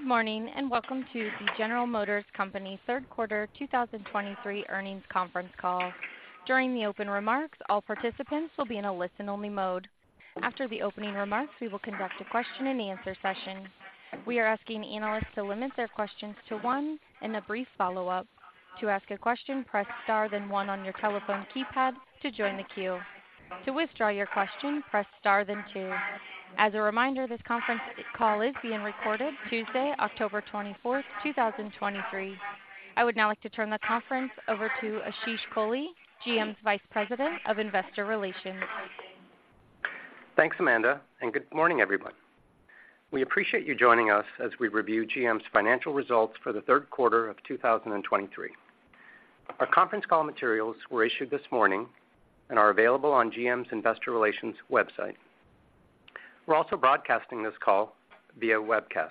Good morning, and welcome to the General Motors Company third quarter 2023 earnings conference call. During the open remarks, all participants will be in a listen-only mode. After the opening remarks, we will conduct a question-and-answer session. We are asking analysts to limit their questions to one and a brief follow-up. To ask a question, press *, then 1 on your telephone keypad to join the queue. To withdraw your question, press *, then 2. As a reminder, this conference call is being recorded Tuesday, October 24, 2023. I would now like to turn the conference over to Ashish Kohli, GM's Vice President of Investor Relations. Thanks, Amanda, and good morning, everyone. We appreciate you joining us as we review GM's financial results for the third quarter of 2023. Our conference call materials were issued this morning and are available on GM's Investor Relations website. We're also broadcasting this call via webcast.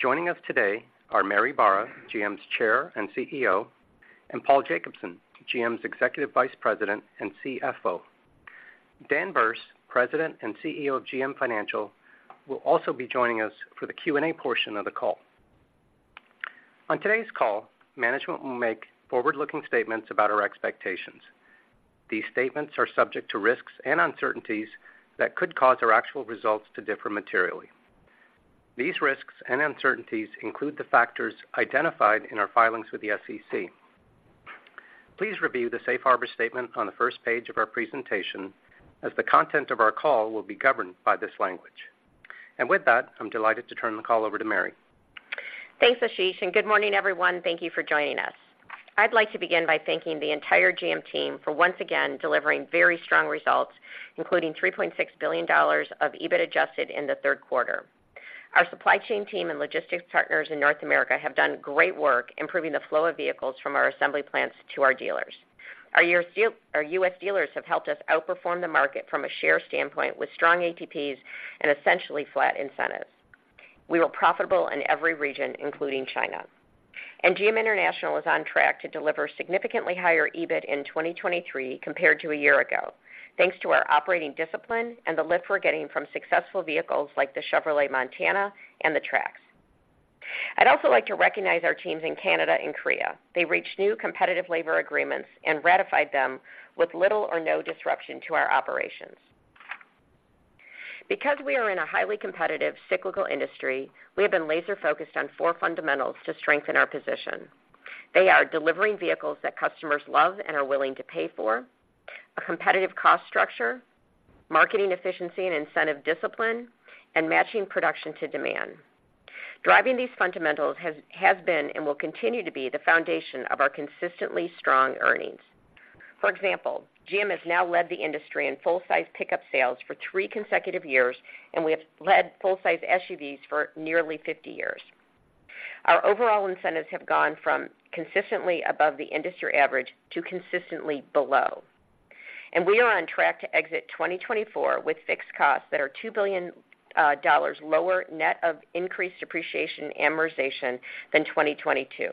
Joining us today are Mary Barra, GM's Chair and CEO, and Paul Jacobson, GM's Executive Vice President and CFO. Dan Berce, President and CEO of GM Financial, will also be joining us for the Q&A portion of the call. On today's call, management will make forward-looking statements about our expectations. These statements are subject to risks and uncertainties that could cause our actual results to differ materially. These risks and uncertainties include the factors identified in our filings with the SEC. Please review the safe harbor statement on the first page of our presentation, as the content of our call will be governed by this language. With that, I'm delighted to turn the call over to Mary. Thanks, Ashish, and good morning, everyone. Thank you for joining us. I'd like to begin by thanking the entire GM team for once again delivering very strong results, including $3.6 billion of EBIT-adjusted in the third quarter. Our supply chain team and logistics partners in North America have done great work improving the flow of vehicles from our assembly plants to our dealers. Our US dealers have helped us outperform the market from a share standpoint with strong ATPs and essentially flat incentives. We were profitable in every region, including China, and GM International is on track to deliver significantly higher EBIT in 2023 compared to a year ago, thanks to our operating discipline and the lift we're getting from successful vehicles like the Chevrolet Montana and the Trax. I'd also like to recognize our teams in Canada and Korea. They reached new competitive labor agreements and ratified them with little or no disruption to our operations. Because we are in a highly competitive, cyclical industry, we have been laser-focused on four fundamentals to strengthen our position. They are: delivering vehicles that customers love and are willing to pay for, a competitive cost structure, marketing efficiency and incentive discipline, and matching production to demand. Driving these fundamentals has been and will continue to be the foundation of our consistently strong earnings. For example, GM has now led the industry in full-size pickup sales for three consecutive years, and we have led full-size SUVs for nearly 50 years. Our overall incentives have gone from consistently above the industry average to consistently below, and we are on track to exit 2024 with fixed costs that are $2 billion lower net of increased depreciation and amortization than 2022.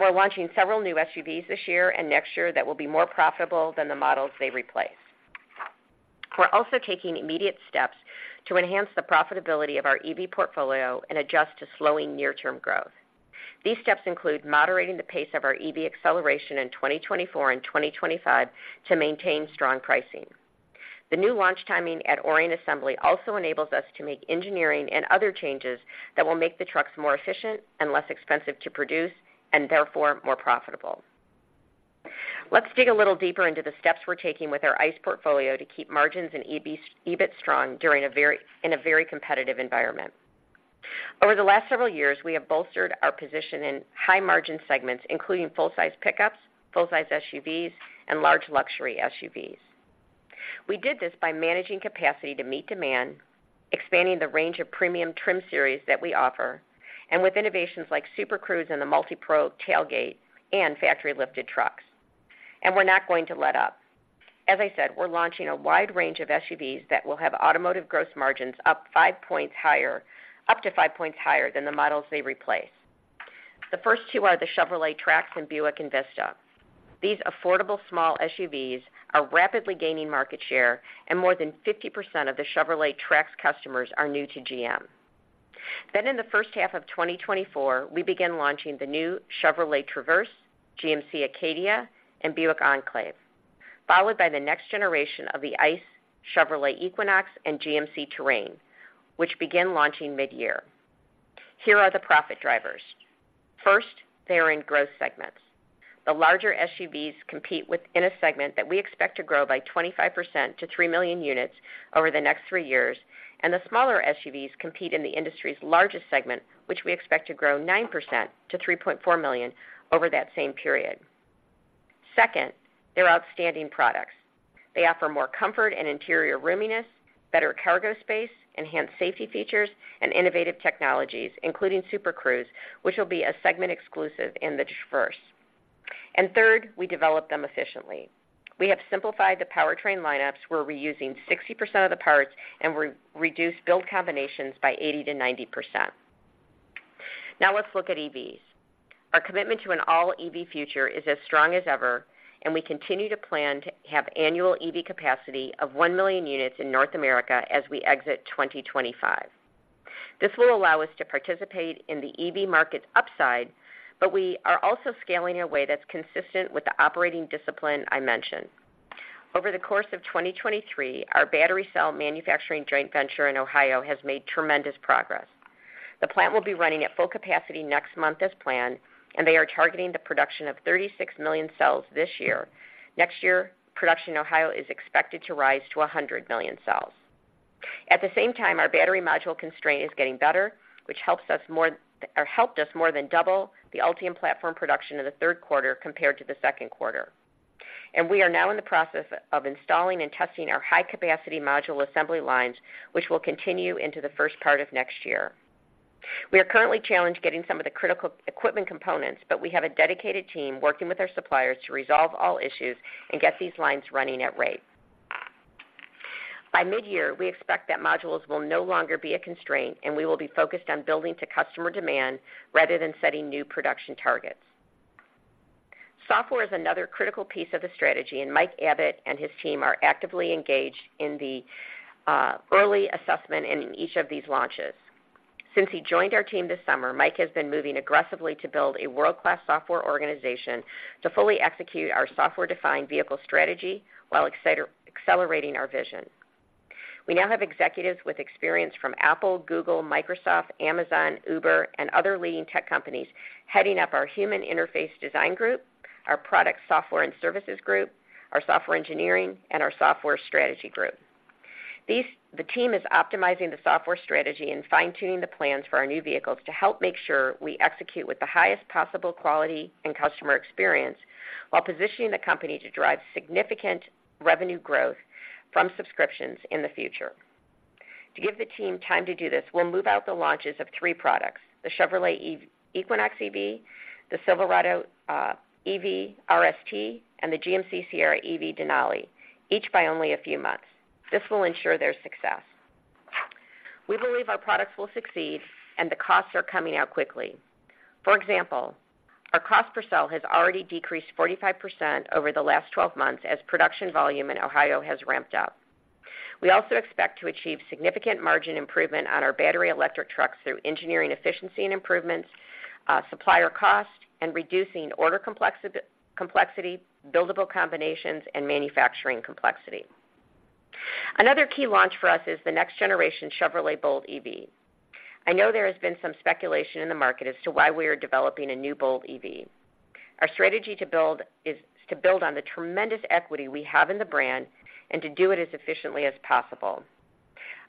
We're launching several new SUVs this year and next year that will be more profitable than the models they replace. We're also taking immediate steps to enhance the profitability of our EV portfolio and adjust to slowing near-term growth. These steps include moderating the pace of our EV acceleration in 2024 and 2025 to maintain strong pricing. The new launch timing at Orion Assembly also enables us to make engineering and other changes that will make the trucks more efficient and less expensive to produce, and therefore more profitable. Let's dig a little deeper into the steps we're taking with our ICE portfolio to keep margins and EBIT strong during a very competitive environment. Over the last several years, we have bolstered our position in high-margin segments, including full-size pickups, full-size SUVs, and large luxury SUVs. We did this by managing capacity to meet demand, expanding the range of premium trim series that we offer, and with innovations like Super Cruise and the MultiPro Tailgate and factory lifted trucks, and we're not going to let up. As I said, we're launching a wide range of SUVs that will have automotive gross margins up 5 points higher, up to 5 points higher than the models they replace. The first two are the Chevrolet Trax and Buick Envista. These affordable small SUVs are rapidly gaining market share, and more than 50% of the Chevrolet Trax customers are new to GM. Then, in the first half of 2024, we begin launching the new Chevrolet Traverse, GMC Acadia, and Buick Enclave, followed by the next generation of the ICE Chevrolet Equinox and GMC Terrain, which begin launching mid-year. Here are the profit drivers. First, they are in growth segments. The larger SUVs compete within a segment that we expect to grow by 25% to 3 million units over the next three years, and the smaller SUVs compete in the industry's largest segment, which we expect to grow 9% to 3.4 million over that same period. Second, they're outstanding products. They offer more comfort and interior roominess, better cargo space, enhanced safety features, and innovative technologies, including Super Cruise, which will be a segment exclusive in the Traverse. Third, we develop them efficiently. We have simplified the powertrain lineups. We're reusing 60% of the parts and reduced build combinations by 80% to 90%.... Now let's look at EVs. Our commitment to an all-EV future is as strong as ever, and we continue to plan to have annual EV capacity of 1 million units in North America as we exit 2025. This will allow us to participate in the EV market upside, but we are also scaling in a way that's consistent with the operating discipline I mentioned. Over the course of 2023, our battery cell manufacturing joint venture in Ohio has made tremendous progress. The plant will be running at full capacity next month as planned, and they are targeting the production of 36 million cells this year. Next year, production in Ohio is expected to rise to 100 million cells. At the same time, our battery module constraint is getting better, which helps us more or helped us more than double the Ultium platform production in the third quarter compared to the second quarter. We are now in the process of installing and testing our high-capacity module assembly lines, which will continue into the first part of next year. We are currently challenged getting some of the critical equipment components, but we have a dedicated team working with our suppliers to resolve all issues and get these lines running at rate. By mid-year, we expect that modules will no longer be a constraint, and we will be focused on building to customer demand rather than setting new production targets. Software is another critical piece of the strategy, and Mike Abbott and his team are actively engaged in the early assessment in each of these launches. Since he joined our team this summer, Mike has been moving aggressively to build a world-class software organization to fully execute our software-defined vehicle strategy while accelerating our vision. We now have executives with experience from Apple, Google, Microsoft, Amazon, Uber, and other leading tech companies heading up our human interface design group, our product software and services group, our software engineering, and our software strategy group. The team is optimizing the software strategy and fine-tuning the plans for our new vehicles to help make sure we execute with the highest possible quality and customer experience, while positioning the company to drive significant revenue growth from subscriptions in the future. To give the team time to do this, we'll move out the launches of three products: the Chevrolet Equinox EV, the Silverado EV RST, and the GMC Sierra EV Denali, each by only a few months. This will ensure their success. We believe our products will succeed and the costs are coming out quickly. For example, our cost per cell has already decreased 45% over the last 12 months as production volume in Ohio has ramped up. We also expect to achieve significant margin improvement on our battery electric trucks through engineering efficiency and improvements, supplier cost, and reducing order complexity, buildable combinations, and manufacturing complexity. Another key launch for us is the next generation Chevrolet Bolt EV. I know there has been some speculation in the market as to why we are developing a new Bolt EV. Our strategy to build is to build on the tremendous equity we have in the brand and to do it as efficiently as possible.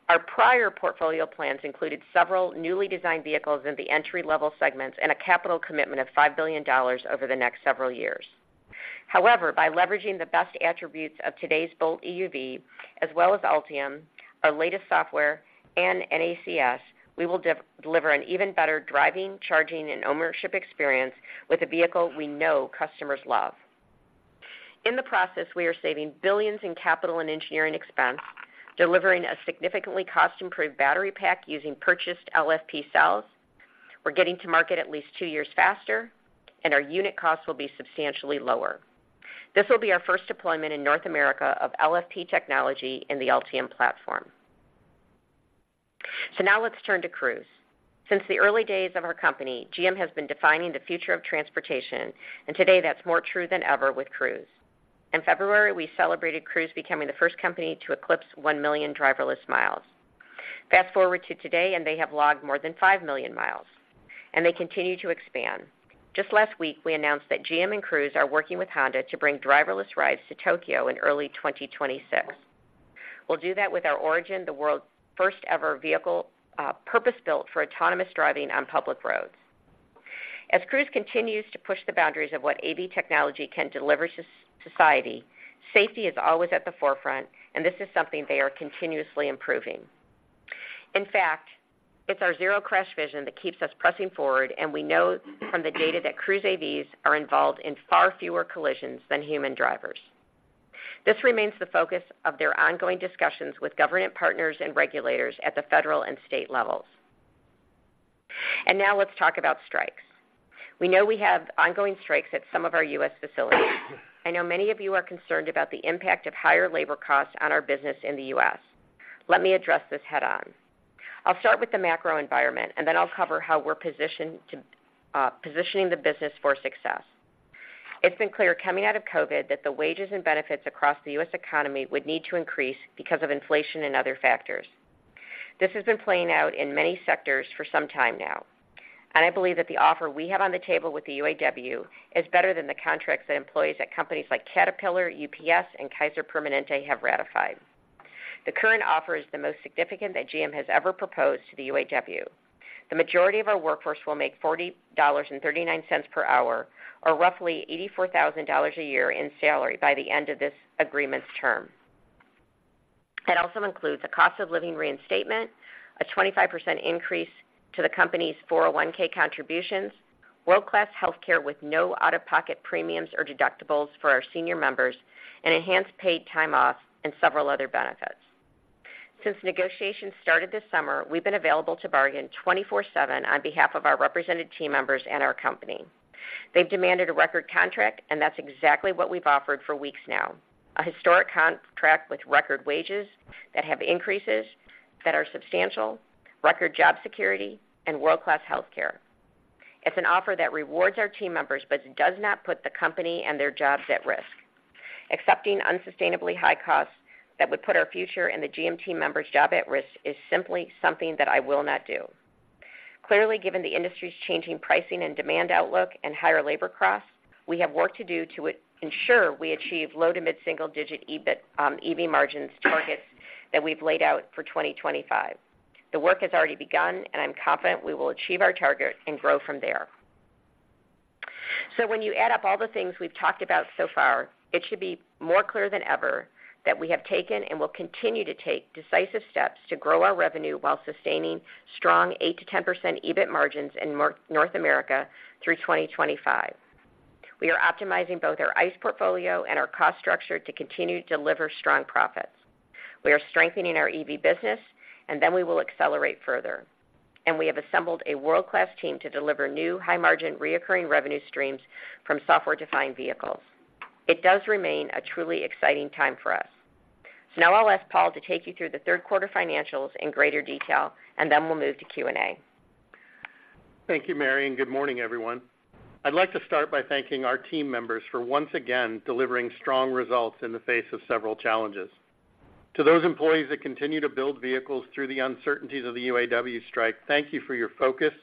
Our prior portfolio plans included several newly designed vehicles in the entry-level segments and a capital commitment of $5 billion over the next several years. However, by leveraging the best attributes of today's Bolt EUV, as well as Ultium, our latest software, and NACS, we will deliver an even better driving, charging, and ownership experience with a vehicle we know customers love. In the process, we are saving billions in capital and engineering expense, delivering a significantly cost-improved battery pack using purchased LFP cells. We're getting to market at least two years faster, and our unit costs will be substantially lower. This will be our first deployment in North America of LFP technology in the Ultium platform. So now let's turn to Cruise. Since the early days of our company, GM has been defining the future of transportation, and today, that's more true than ever with Cruise. In February, we celebrated Cruise becoming the first company to eclipse 1 million driverless miles. Fast-forward to today, and they have logged more than 5 million miles, and they continue to expand. Just last week, we announced that GM and Cruise are working with Honda to bring driverless rides to Tokyo in early 2026. We'll do that with our Origin, the world's first-ever vehicle purpose-built for autonomous driving on public roads. As Cruise continues to push the boundaries of what AV technology can deliver to society, safety is always at the forefront, and this is something they are continuously improving. In fact, it's our Zero Crash vision that keeps us pressing forward, and we know from the data that Cruise AVs are involved in far fewer collisions than human drivers. This remains the focus of their ongoing discussions with government partners and regulators at the federal and state levels. And now let's talk about strikes. We know we have ongoing strikes at some of our U.S. facilities. I know many of you are concerned about the impact of higher labor costs on our business in the U.S. Let me address this head-on. I'll start with the macro environment, and then I'll cover how we're positioned to, positioning the business for success. It's been clear coming out of COVID that the wages and benefits across the U.S. economy would need to increase because of inflation and other factors. This has been playing out in many sectors for some time now, and I believe that the offer we have on the table with the UAW is better than the contracts that employees at companies like Caterpillar, UPS, and Kaiser Permanente have ratified. The current offer is the most significant that GM has ever proposed to the UAW. The majority of our workforce will make $40.39 per hour, or roughly $84,000 a year in salary by the end of this agreement's term. It also includes a cost-of-living reinstatement, a 25% increase to the company's 401(k) contributions, world-class healthcare with no out-of-pocket premiums or deductibles for our senior members, and enhanced paid time off and several other benefits.... Since negotiations started this summer, we've been available to bargain 24/7 on behalf of our represented team members and our company. They've demanded a record contract, and that's exactly what we've offered for weeks now, a historic contract with record wages that have increases that are substantial, record job security, and world-class healthcare. It's an offer that rewards our team members, but does not put the company and their jobs at risk. Accepting unsustainably high costs that would put our future and the GM team members' job at risk is simply something that I will not do. Clearly, given the industry's changing pricing and demand outlook and higher labor costs, we have work to do to ensure we achieve low- to mid-single-digit EBIT, EV margins targets that we've laid out for 2025. The work has already begun, and I'm confident we will achieve our target and grow from there. So when you add up all the things we've talked about so far, it should be more clear than ever that we have taken and will continue to take decisive steps to grow our revenue while sustaining strong 8% to 10% EBIT margins in North America through 2025. We are optimizing both our ICE portfolio and our cost structure to continue to deliver strong profits. We are strengthening our EV business, and then we will accelerate further. We have assembled a world-class team to deliver new, high-margin, recurring revenue streams from software-defined vehicles. It does remain a truly exciting time for us. Now I'll ask Paul to take you through the third quarter financials in greater detail, and then we'll move to Q&A. Thank you, Mary, and good morning, everyone. I'd like to start by thanking our team members for once again, delivering strong results in the face of several challenges. To those employees that continue to build vehicles through the uncertainties of the UAW strike, thank you for your focus,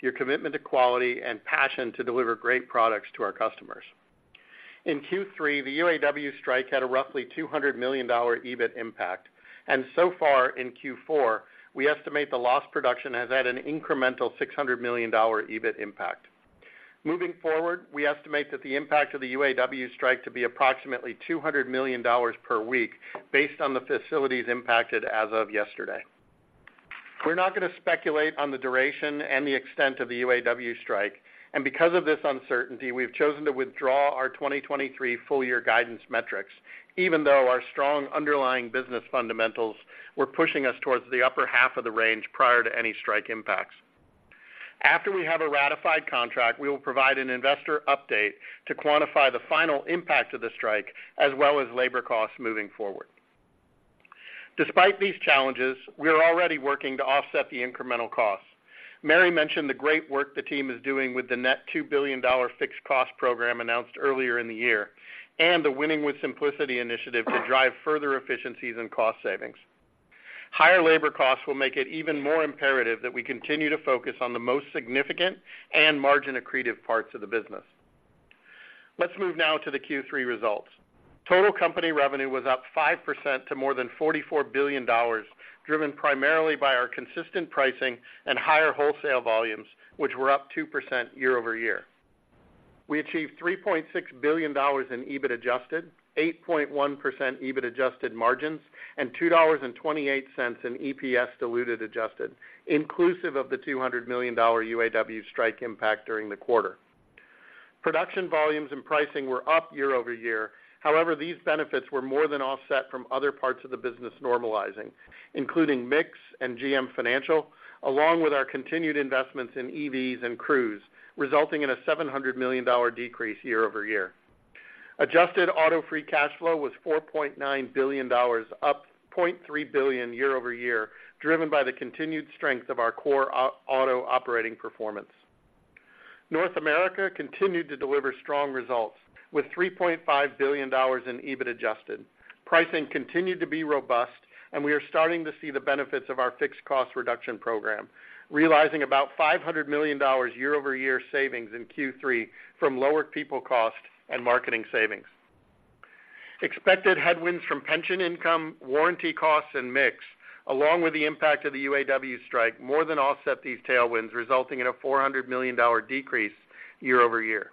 your commitment to quality, and passion to deliver great products to our customers. In Q3, the UAW strike had a roughly $200 million EBIT impact, and so far in Q4, we estimate the lost production has had an incremental $600 million EBIT impact. Moving forward, we estimate that the impact of the UAW strike to be approximately $200 million per week based on the facilities impacted as of yesterday. We're not going to speculate on the duration and the extent of the UAW strike, and because of this uncertainty, we've chosen to withdraw our 2023 full year guidance metrics, even though our strong underlying business fundamentals were pushing us towards the upper half of the range prior to any strike impacts. After we have a ratified contract, we will provide an investor update to quantify the final impact of the strike, as well as labor costs moving forward. Despite these challenges, we are already working to offset the incremental costs. Mary mentioned the great work the team is doing with the net $2 billion fixed cost program announced earlier in the year, and the Winning with Simplicity initiative to drive further efficiencies and cost savings. Higher labor costs will make it even more imperative that we continue to focus on the most significant and margin accretive parts of the business. Let's move now to the Q3 results. Total company revenue was up 5% to more than $44 billion, driven primarily by our consistent pricing and higher wholesale volumes, which were up 2% year-over-year. We achieved $3.6 billion in EBIT-adjusted, 8.1% EBIT-adjusted margins, and $2.28 in EPS-diluted-adjusted, inclusive of the $200 million UAW strike impact during the quarter. Production volumes and pricing were up year-over-year. However, these benefits were more than offset by other parts of the business normalizing, including mix and GM Financial, along with our continued investments in EVs and Cruise, resulting in a $700 million decrease year-over-year. Adjusted auto-free cash flow was $4.9 billion, up $0.3 billion year-over-year, driven by the continued strength of our core auto operating performance. North America continued to deliver strong results, with $3.5 billion in adjusted EBIT. Pricing continued to be robust, and we are starting to see the benefits of our fixed cost reduction program, realizing about $500 million year-over-year savings in Q3 from lower people costs and marketing savings. Expected headwinds from pension income, warranty costs, and mix, along with the impact of the UAW strike, more than offset these tailwinds, resulting in a $400 million decrease year-over-year.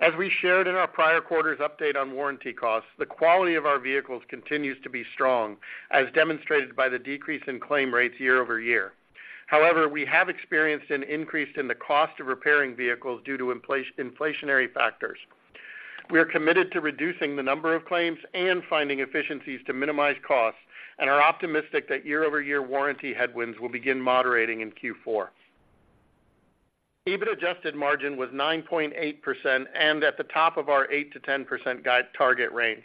As we shared in our prior quarters update on warranty costs, the quality of our vehicles continues to be strong, as demonstrated by the decrease in claim rates year-over-year. However, we have experienced an increase in the cost of repairing vehicles due to inflationary factors. We are committed to reducing the number of claims and finding efficiencies to minimize costs and are optimistic that year-over-year warranty headwinds will begin moderating in Q4. EBIT-adjusted margin was 9.8% and at the top of our 8% to 10% guide target range.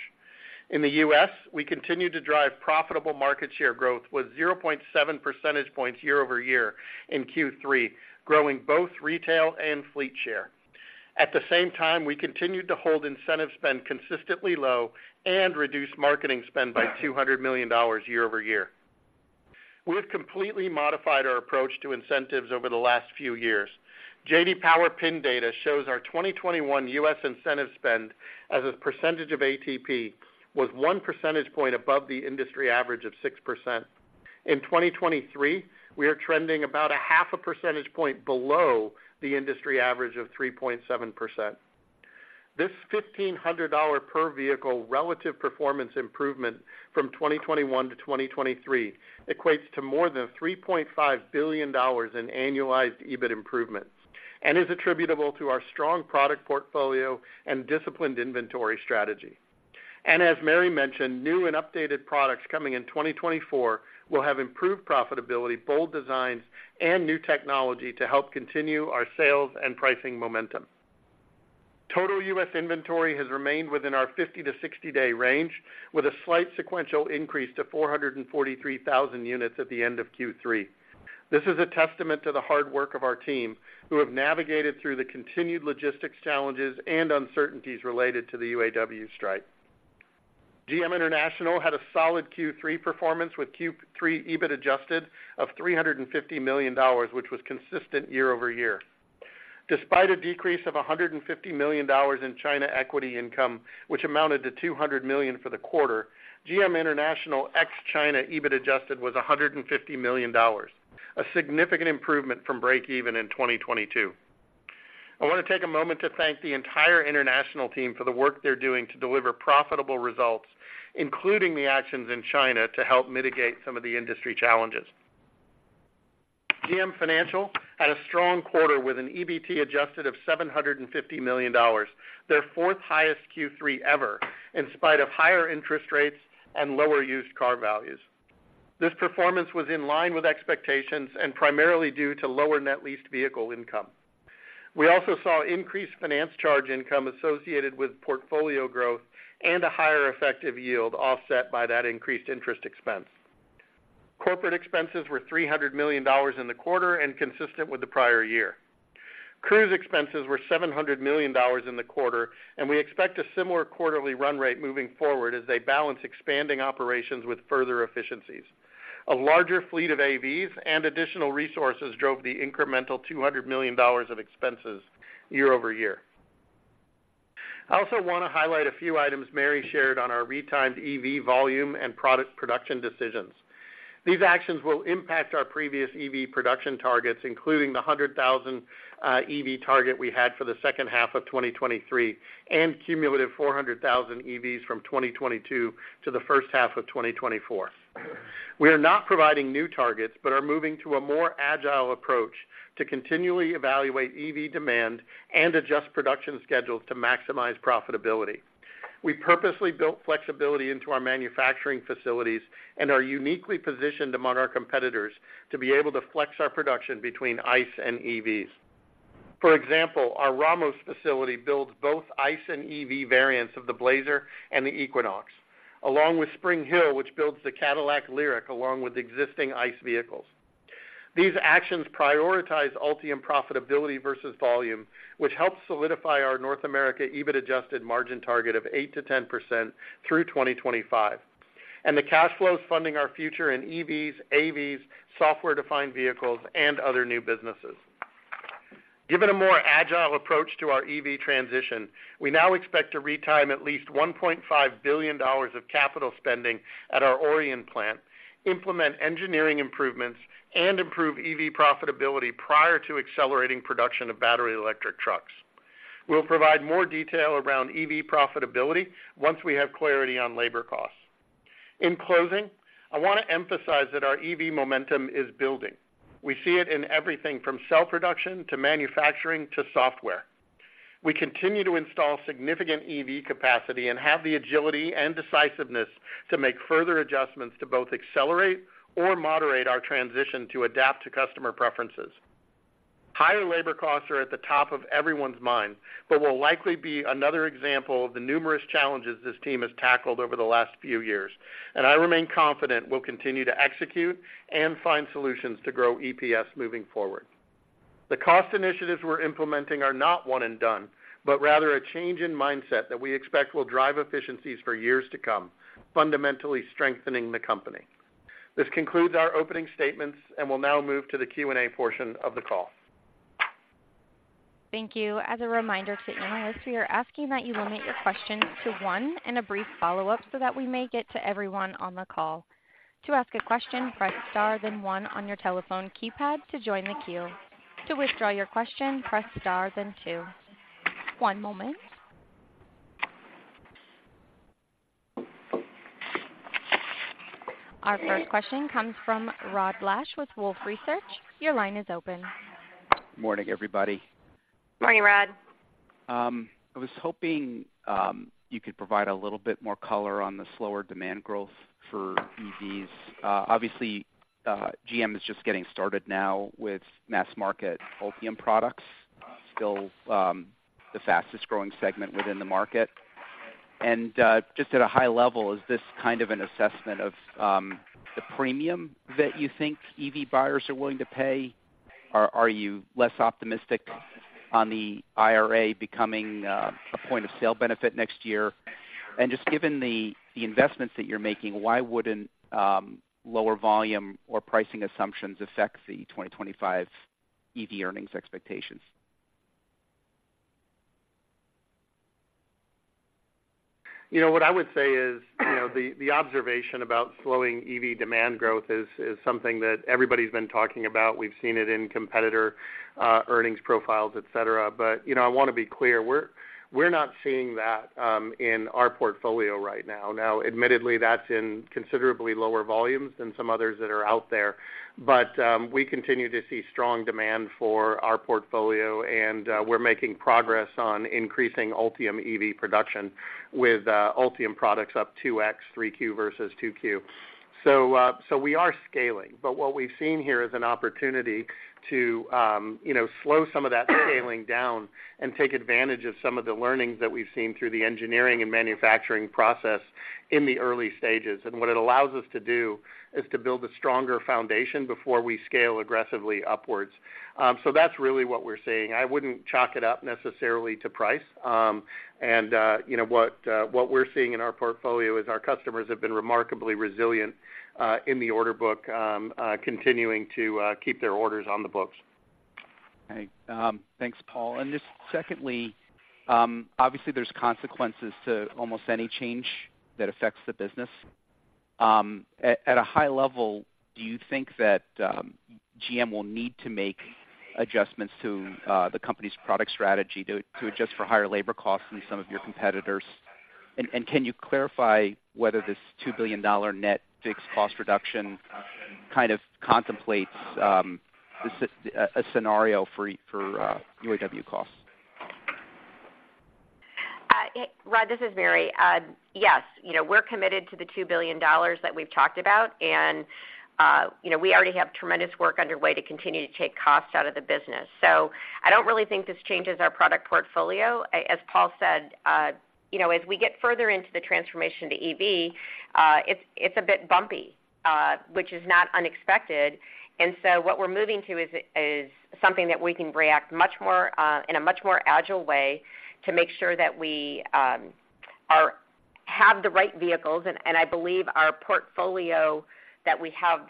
In the U.S., we continued to drive profitable market share growth with 0.7 percentage points year-over-year in Q3, growing both retail and fleet share. At the same time, we continued to hold incentive spend consistently low and reduced marketing spend by $200 million year-over-year. We have completely modified our approach to incentives over the last few years. J.D. Power PIN data shows our 2021 U.S. incentive spend as a percentage of ATP was 1 percentage point above the industry average of 6%. In 2023, we are trending about 0.5 percentage point below the industry average of 3.7%. This $1,500 per vehicle relative performance improvement from 2021 to 2023 equates to more than $3.5 billion in annualized EBIT improvements. is attributable to our strong product portfolio and disciplined inventory strategy. As Mary mentioned, new and updated products coming in 2024 will have improved profitability, bold designs, and new technology to help continue our sales and pricing momentum. Total U.S. inventory has remained within our 50- to 60-day range, with a slight sequential increase to 443,000 units at the end of Q3. This is a testament to the hard work of our team, who have navigated through the continued logistics challenges and uncertainties related to the UAW strike. GM International had a solid Q3 performance, with Q3 EBIT-adjusted of $350 million, which was consistent year-over-year. Despite a decrease of $150 million in China equity income, which amounted to $200 million for the quarter, GM International ex-China EBIT-adjusted was $150 million, a significant improvement from breakeven in 2022. I want to take a moment to thank the entire international team for the work they're doing to deliver profitable results, including the actions in China, to help mitigate some of the industry challenges. GM Financial had a strong quarter with an EBIT-adjusted of $750 million, their fourth highest Q3 ever, in spite of higher interest rates and lower used car values. This performance was in line with expectations and primarily due to lower net leased vehicle income. We also saw increased finance charge income associated with portfolio growth and a higher effective yield, offset by that increased interest expense. Corporate expenses were $300 million in the quarter and consistent with the prior year. Cruise expenses were $700 million in the quarter, and we expect a similar quarterly run rate moving forward as they balance expanding operations with further efficiencies. A larger fleet of AVs and additional resources drove the incremental $200 million of expenses year over year. I also want to highlight a few items Mary shared on our retimed EV volume and product production decisions. These actions will impact our previous EV production targets, including the 100,000 EV target we had for the second half of 2023, and cumulative 400,000 EVs from 2022 to the first half of 2024. We are not providing new targets, but are moving to a more agile approach to continually evaluate EV demand and adjust production schedules to maximize profitability. We purposely built flexibility into our manufacturing facilities and are uniquely positioned among our competitors to be able to flex our production between ICE and EVs. For example, our Ramos facility builds both ICE and EV variants of the Blazer and the Equinox, along with Spring Hill, which builds the Cadillac LYRIQ, along with existing ICE vehicles. These actions prioritize Ultium profitability versus volume, which helps solidify our North America EBIT-adjusted margin target of 8% to 10% through 2025, and the cash flows funding our future in EVs, AVs, software-defined vehicles, and other new businesses. Given a more agile approach to our EV transition, we now expect to retime at least $1.5 billion of capital spending at our Orion plant, implement engineering improvements, and improve EV profitability prior to accelerating production of battery electric trucks. We'll provide more detail around EV profitability once we have clarity on labor costs. In closing, I want to emphasize that our EV momentum is building. We see it in everything from cell production to manufacturing to software. We continue to install significant EV capacity and have the agility and decisiveness to make further adjustments to both accelerate or moderate our transition to adapt to customer preferences. Higher labor costs are at the top of everyone's mind, but will likely be another example of the numerous challenges this team has tackled over the last few years, and I remain confident we'll continue to execute and find solutions to grow EPS moving forward. The cost initiatives we're implementing are not one-and-done, but rather a change in mindset that we expect will drive efficiencies for years to come, fundamentally strengthening the company. This concludes our opening statements, and we'll now move to the Q&A portion of the call. Thank you. As a reminder to analysts, we are asking that you limit your questions to one and a brief follow-up so that we may get to everyone on the call. To ask a question, press *, then one on your telephone keypad to join the queue. To withdraw your question, press *, then two. One moment. Our first question comes from Rod Lache with Wolfe Research. Your line is open. Morning, everybody. Morning, Rod. I was hoping you could provide a little bit more color on the slower demand growth for EVs. Obviously, GM is just getting started now with mass market Ultium products, still, the fastest-growing segment within the market. And, just at a high level, is this kind of an assessment of, the premium that you think EV buyers are willing to pay? Or are you less optimistic on the IRA becoming, a point-of-sale benefit next year? And just given the investments that you're making, why wouldn't lower volume or pricing assumptions affect the 2025 EV earnings expectations? You know, what I would say is, you know, the observation about slowing EV demand growth is something that everybody's been talking about. We've seen it in competitor earnings profiles, etc. But, you know, I want to be clear, we're not seeing that in our portfolio right now. Now, admittedly, that's in considerably lower volumes than some others that are out there... but we continue to see strong demand for our portfolio, and we're making progress on increasing Ultium EV production with Ultium products up 2x 3Q versus 2Q. So we are scaling, but what we've seen here is an opportunity to, you know, slow some of that scaling down and take advantage of some of the learnings that we've seen through the engineering and manufacturing process in the early stages. What it allows us to do is to build a stronger foundation before we scale aggressively upwards. So that's really what we're seeing. I wouldn't chalk it up necessarily to price. And, you know, what we're seeing in our portfolio is our customers have been remarkably resilient, in the order book, continuing to keep their orders on the books. Okay, thanks, Paul. Just secondly, obviously, there's consequences to almost any change that affects the business. At a high level, do you think that GM will need to make adjustments to the company's product strategy to adjust for higher labor costs than some of your competitors? And can you clarify whether this $2 billion net fixed cost reduction kind of contemplates a scenario for UAW costs? Hey, Rod, this is Mary. Yes, you know, we're committed to the $2 billion that we've talked about, and, you know, we already have tremendous work underway to continue to take costs out of the business. So I don't really think this changes our product portfolio. As Paul said, you know, as we get further into the transformation to EV, it's a bit bumpy, which is not unexpected. And so what we're moving to is something that we can react much more in a much more agile way to make sure that we have the right vehicles. And I believe our portfolio that we have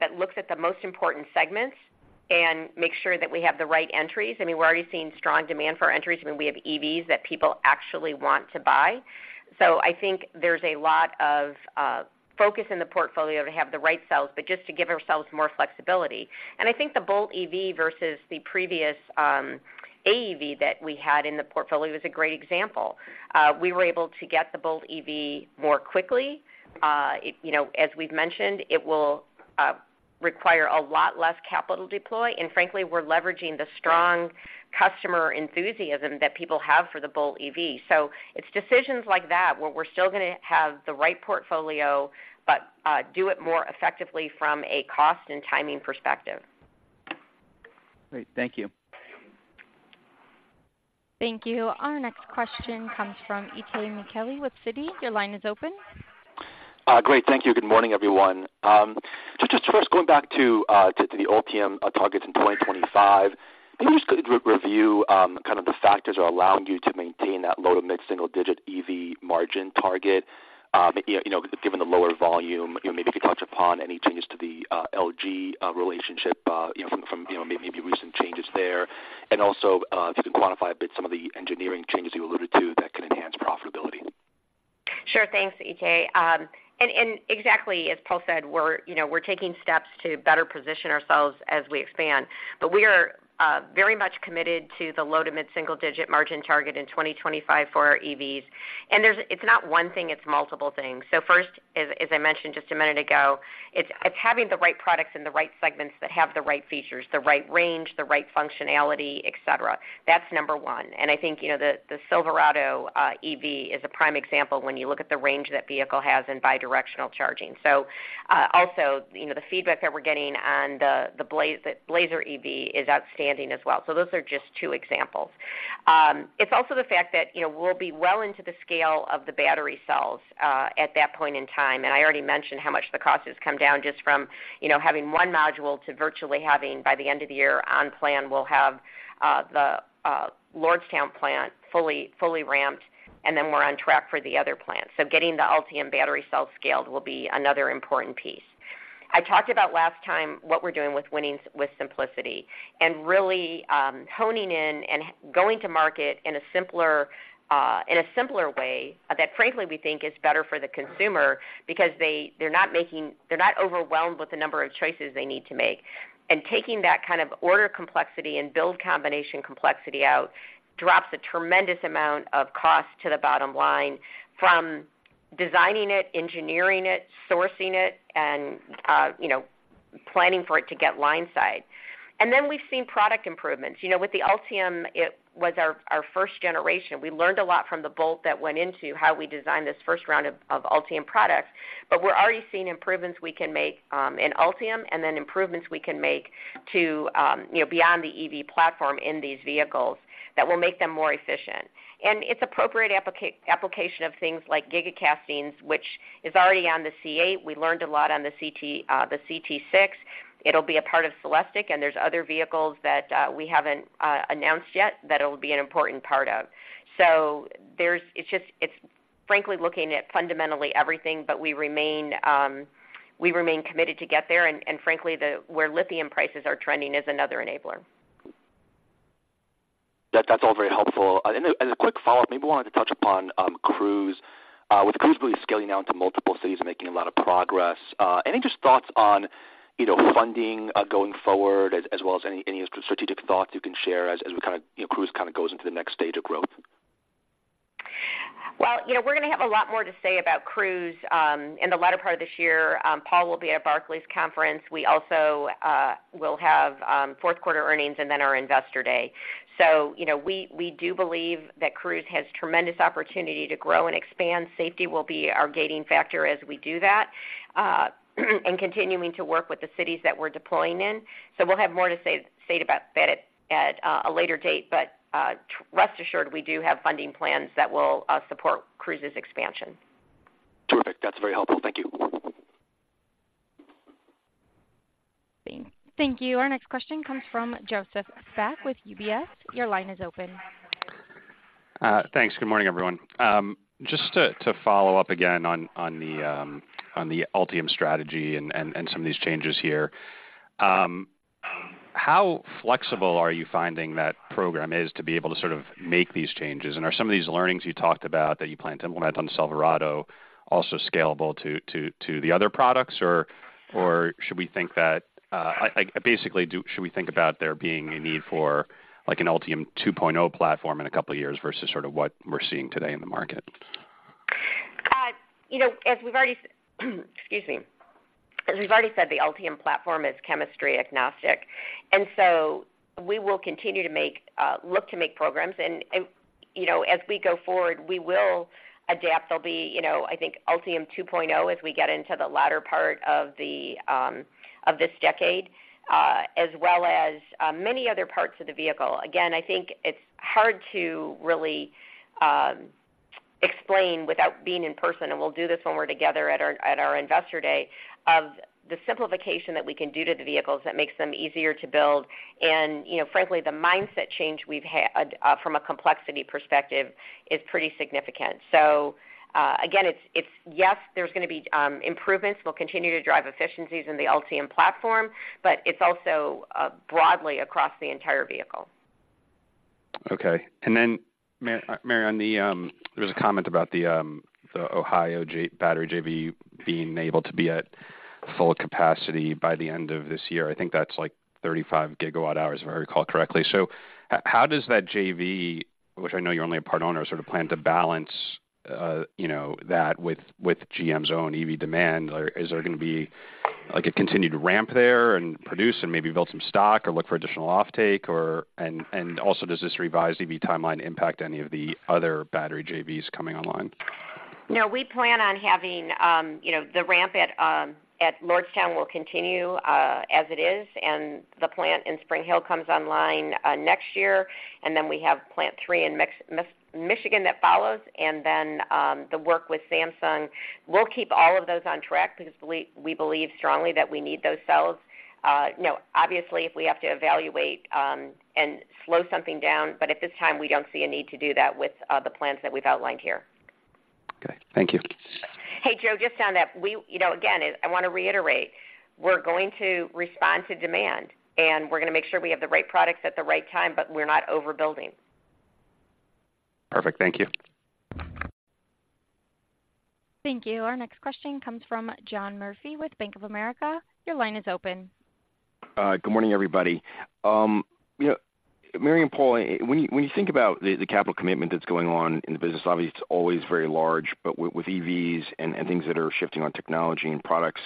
that looks at the most important segments and make sure that we have the right entries. I mean, we're already seeing strong demand for entries, and we have EVs that people actually want to buy. So I think there's a lot of focus in the portfolio to have the right cells, but just to give ourselves more flexibility. And I think the Bolt EV versus the previous AEV that we had in the portfolio is a great example. We were able to get the Bolt EV more quickly. It, you know, as we've mentioned, it will require a lot less capital deploy, and frankly, we're leveraging the strong customer enthusiasm that people have for the Bolt EV. So it's decisions like that, where we're still going to have the right portfolio, but do it more effectively from a cost and timing perspective. Great. Thank you. Thank you. Our next question comes from Itay Michaeli with Citi. Your line is open. Great. Thank you. Good morning, everyone. So just first going back to the Ultium targets in 2025, can you just kind of re-review kind of the factors are allowing you to maintain that low-to mid-single-digit EV margin target? You know, given the lower volume, you know, maybe you could touch upon any changes to the LG relationship, you know, maybe recent changes there. And also, if you can quantify a bit some of the engineering changes you alluded to that could enhance profitability. Sure. Thanks, Itay. And exactly as Paul said, we're, you know, we're taking steps to better position ourselves as we expand. But we are very much committed to the low- to mid-single-digit margin target in 2025 for our EVs. And there's... It's not one thing, it's multiple things. So first, as I mentioned just a minute ago, it's having the right products in the right segments that have the right features, the right range, the right functionality, etc. That's number one. And I think, you know, the Silverado EV is a prime example when you look at the range that vehicle has in bidirectional charging. So also, you know, the feedback that we're getting on the Blazer EV is outstanding as well. So those are just two examples. It's also the fact that, you know, we'll be well into the scale of the battery cells at that point in time. I already mentioned how much the cost has come down just from, you know, having one module to virtually having, by the end of the year, on plan, we'll have the Lordstown plant fully ramped, and then we're on track for the other plant. So getting the Ultium battery cell scaled will be another important piece. I talked about last time, what we're doing with Winning with Simplicity, and really honing in and going to market in a simpler way that frankly, we think is better for the consumer because they're not overwhelmed with the number of choices they need to make. Taking that kind of order complexity and build combination complexity out drops a tremendous amount of cost to the bottom line from designing it, engineering it, sourcing it, and you know, planning for it to get line-side. And then we've seen product improvements. You know, with the Ultium, it was our first generation. We learned a lot from the Bolt that went into how we designed this first round of Ultium products, but we're already seeing improvements we can make in Ultium, and then improvements we can make to you know, beyond the EV platform in these vehicles that will make them more efficient. And it's appropriate application of things like giga-castings, which is already on the C8. We learned a lot on the CT6. It'll be a part of Celestiq, and there's other vehicles that we haven't announced yet that it will be an important part of. So it's frankly looking at fundamentally everything, but we remain, we remain committed to get there, and, and frankly, the, where lithium prices are trending is another enabler. That, that's all very helpful. And a quick follow-up, maybe wanted to touch upon Cruise. With Cruise really scaling out into multiple cities, making a lot of progress, any just thoughts on, you know, funding going forward, as well as any strategic thoughts you can share as we kind of, you know, Cruise kind of goes into the next stage of growth?... Well, you know, we're going to have a lot more to say about Cruise in the latter part of this year. Paul will be at Barclays Conference. We also will have fourth quarter earnings and then our investor day. So, you know, we do believe that Cruise has tremendous opportunity to grow and expand. Safety will be our gating factor as we do that, and continuing to work with the cities that we're deploying in. So we'll have more to say about that at a later date. But, rest assured, we do have funding plans that will support Cruise's expansion. Terrific. That's very helpful. Thank you. Thank you. Our next question comes from Joseph Spak with UBS. Your line is open. Thanks. Good morning, everyone. Just to follow up again on the Ultium strategy and some of these changes here. How flexible are you finding that program is to be able to sort of make these changes? And are some of these learnings you talked about that you plan to implement on Silverado also scalable to the other products, or should we think that basically should we think about there being a need for, like, an Ultium 2.0 platform in a couple of years versus sort of what we're seeing today in the market? You know, as we've already said, the Ultium platform is chemistry agnostic, and so we will continue to make, look to make programs. And, you know, as we go forward, we will adapt. There'll be, you know, I think Ultium 2.0, as we get into the latter part of this decade, as well as many other parts of the vehicle. Again, I think it's hard to really explain without being in person, and we'll do this when we're together at our Investor Day, of the simplification that we can do to the vehicles that makes them easier to build. And, you know, frankly, the mindset change we've had from a complexity perspective is pretty significant. So, again, it's... Yes, there's going to be improvements. We'll continue to drive efficiencies in the Ultium platform, but it's also broadly across the entire vehicle. Okay. And then, Mary, there was a comment about the Ohio battery JV being able to be at full capacity by the end of this year. I think that's, like, 35 GWh, if I recall correctly. So how does that JV, which I know you're only a part owner, sort of plan to balance, you know, that with GM's own EV demand? Or is there going to be, like, a continued ramp there and produce and maybe build some stock or look for additional offtake or... And also, does this revised EV timeline impact any of the other battery JVs coming online? No, we plan on having, you know, the ramp at Lordstown will continue as it is, and the plant in Spring Hill comes online next year. We have Plant 3 in Michigan that follows, and the work with Samsung. We'll keep all of those on track because we believe strongly that we need those cells. You know, obviously, if we have to evaluate and slow something down, but at this time, we don't see a need to do that with the plans that we've outlined here. Okay, thank you. Hey, Joe, just on that, we... You know, again, I want to reiterate, we're going to respond to demand, and we're going to make sure we have the right products at the right time, but we're not overbuilding. Perfect. Thank you. Thank you. Our next question comes from John Murphy with Bank of America. Your line is open. Good morning, everybody. You know, Mary and Paul, when you think about the capital commitment that's going on in the business, obviously, it's always very large, but with EVs and things that are shifting on technology and products,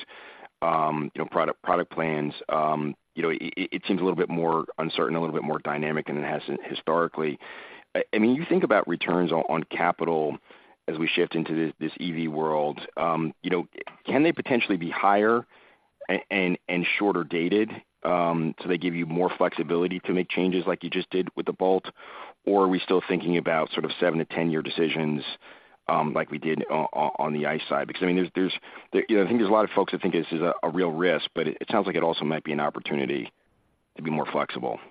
you know, product plans, you know, it seems a little bit more uncertain, a little bit more dynamic than it has historically. I mean, you think about returns on capital as we shift into this EV world, you know, can they potentially be higher and shorter dated, so they give you more flexibility to make changes like you just did with the Bolt? Or are we still thinking about sort of 7- to 10-year decisions, like we did on the ICE side? Because, I mean, there's... You know, I think there's a lot of folks that think this is a real risk, but it sounds like it also might be an opportunity to be more flexible. Yeah.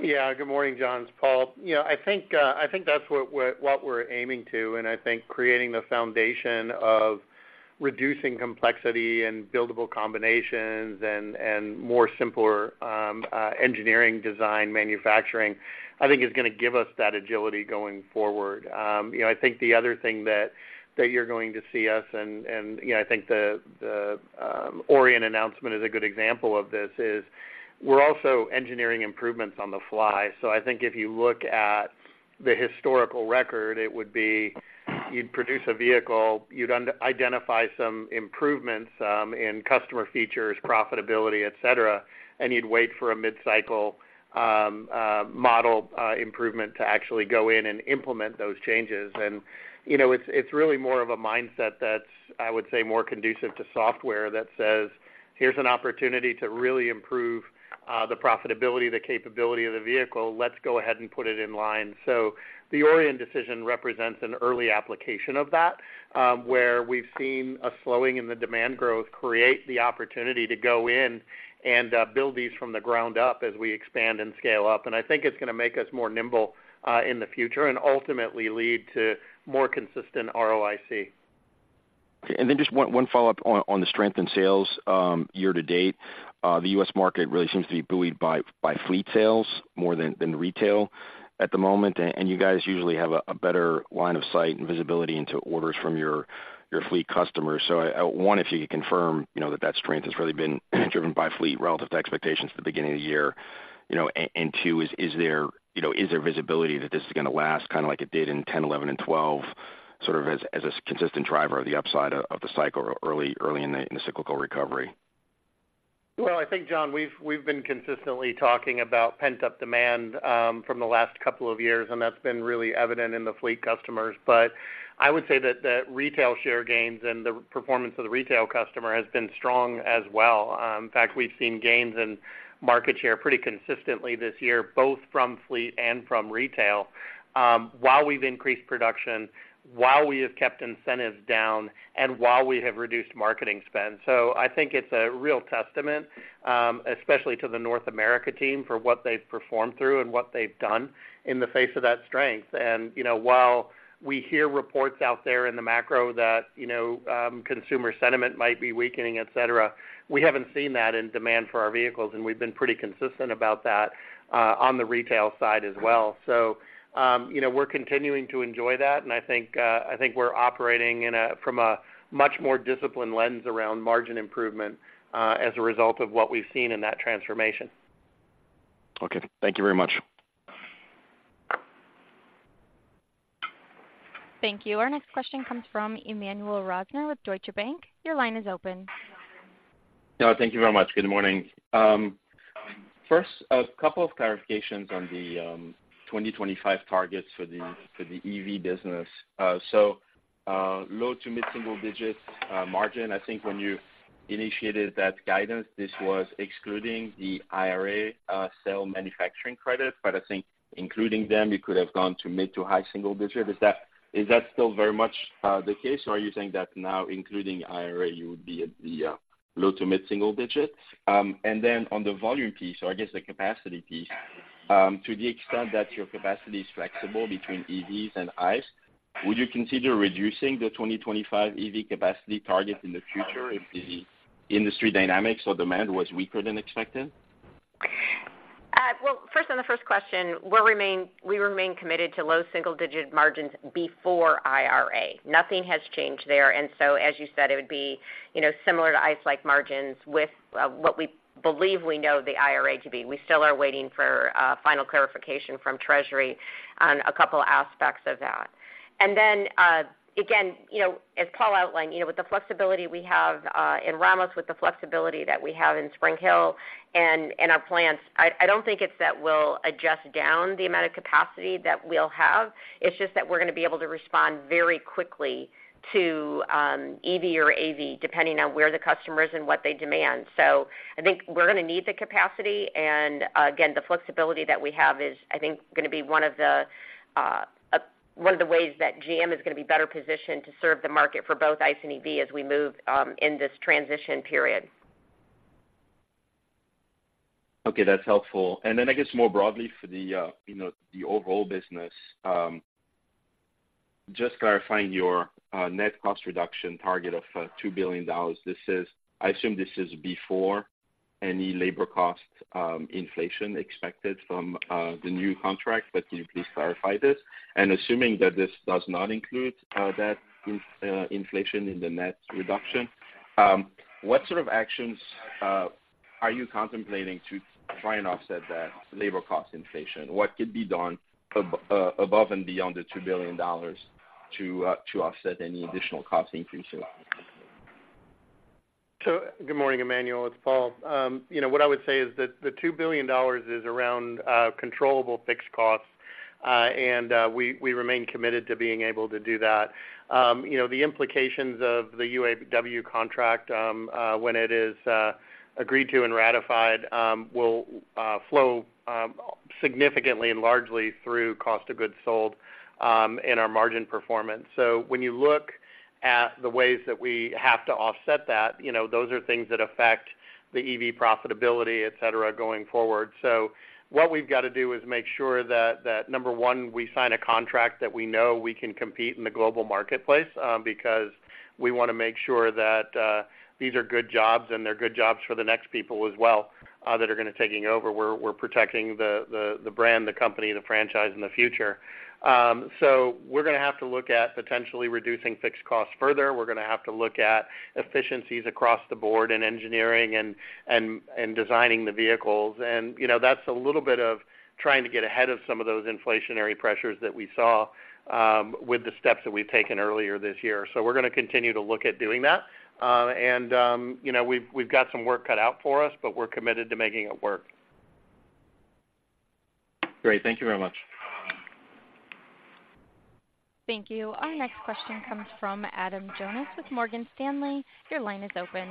Good morning, John, it's Paul. You know, I think, I think that's what we're, what we're aiming to, and I think creating the foundation of reducing complexity and buildable combinations and, and more simpler, engineering, design, manufacturing, I think is going to give us that agility going forward. You know, I think the other thing that, that you're going to see us, and, and, you know, I think the, the Orion announcement is a good example of this, is we're also engineering improvements on the fly. So I think if you look at the historical record, it would be you'd produce a vehicle, you'd under-identify some improvements, in customer features, profitability, etc, and you'd wait for a mid-cycle, model improvement to actually go in and implement those changes. And, you know, it's really more of a mindset that's, I would say, more conducive to software that says, "Here's an opportunity to really improve the profitability, the capability of the vehicle. Let's go ahead and put it in line." So the Orion decision represents an early application of that where we've seen a slowing in the demand growth create the opportunity to go in and build these from the ground up as we expand and scale up. And I think it's going to make us more nimble in the future and ultimately lead to more consistent ROIC. Okay. And then just one follow-up on the strength in sales year to date. The U.S. market really seems to be buoyed by fleet sales more than retail at the moment, and you guys usually have a better line of sight and visibility into orders from your fleet customers. So one, if you could confirm, you know, that that strength has really been driven by fleet relative to expectations at the beginning of the year... you know, and two, is there visibility that this is going to last, kind of like it did in 2010, 2011, and 2012, sort of as a consistent driver of the upside of the cycle early in the cyclical recovery? Well, I think, John, we've been consistently talking about pent-up demand from the last couple of years, and that's been really evident in the fleet customers. But I would say that the retail share gains and the performance of the retail customer has been strong as well. In fact, we've seen gains in market share pretty consistently this year, both from fleet and from retail, while we've increased production, while we have kept incentives down, and while we have reduced marketing spend. So I think it's a real testament, especially to the North America team, for what they've performed through and what they've done in the face of that strength. You know, while we hear reports out there in the macro that, you know, consumer sentiment might be weakening, etc, we haven't seen that in demand for our vehicles, and we've been pretty consistent about that on the retail side as well. So, you know, we're continuing to enjoy that, and I think, I think we're operating in a from a much more disciplined lens around margin improvement as a result of what we've seen in that transformation. Okay. Thank you very much. Thank you. Our next question comes from Emmanuel Rosner with Deutsche Bank. Your line is open. Thank you very much. Good morning. First, a couple of clarifications on the 2025 targets for the EV business. So, low- to mid-single-digit margin, I think when you initiated that guidance, this was excluding the IRA cell manufacturing credit. But I think including them, you could have gone to mid- to high-single-digit. Is that still very much the case, or are you saying that now, including IRA, you would be at the low- to mid-single-digit? And then on the volume piece, or I guess the capacity piece, to the extent that your capacity is flexible between EVs and ICE, would you consider reducing the 2025 EV capacity target in the future if the industry dynamics or demand was weaker than expected? Well, first, on the first question, we remain committed to low single-digit margins before IRA. Nothing has changed there. And so, as you said, it would be, you know, similar to ICE-like margins with what we believe we know the IRA to be. We still are waiting for final clarification from Treasury on a couple aspects of that. And then, again, you know, as Paul outlined, you know, with the flexibility we have in Ramos, with the flexibility that we have in Spring Hill and our plants, I don't think it's that we'll adjust down the amount of capacity that we'll have. It's just that we're going to be able to respond very quickly to EV or AV, depending on where the customer is and what they demand. I think we're going to need the capacity, and again, the flexibility that we have is, I think, going to be one of the ways that GM is going to be better positioned to serve the market for both ICE and EV as we move in this transition period. Okay, that's helpful. And then I guess more broadly for the, you know, the overall business, just clarifying your, net cost reduction target of, $2 billion. This is... I assume this is before any labor cost, inflation expected from, the new contract, but can you please clarify this? And assuming that this does not include, that inflation in the net reduction, what sort of actions, are you contemplating to try and offset that labor cost inflation? What could be done above and beyond the $2 billion to, to offset any additional cost increases? So good morning, Emmanuel, it's Paul. You know, what I would say is that the $2 billion is around controllable fixed costs, and we remain committed to being able to do that. You know, the implications of the UAW contract, when it is agreed to and ratified, will flow significantly and largely through cost of goods sold, and our margin performance. So when you look at the ways that we have to offset that, you know, those are things that affect the EV profitability, etc, going forward. So what we've got to do is make sure that number one, we sign a contract that we know we can compete in the global marketplace, because we want to make sure that these are good jobs, and they're good jobs for the next people as well, that are going to be taking over. We're protecting the brand, the company, the franchise in the future. So we're going to have to look at potentially reducing fixed costs further. We're going to have to look at efficiencies across the board in engineering and designing the vehicles. And, you know, that's a little bit of trying to get ahead of some of those inflationary pressures that we saw with the steps that we've taken earlier this year. So we're going to continue to look at doing that. You know, we've got some work cut out for us, but we're committed to making it work. Great. Thank you very much. Thank you. Our next question comes from Adam Jonas with Morgan Stanley. Your line is open.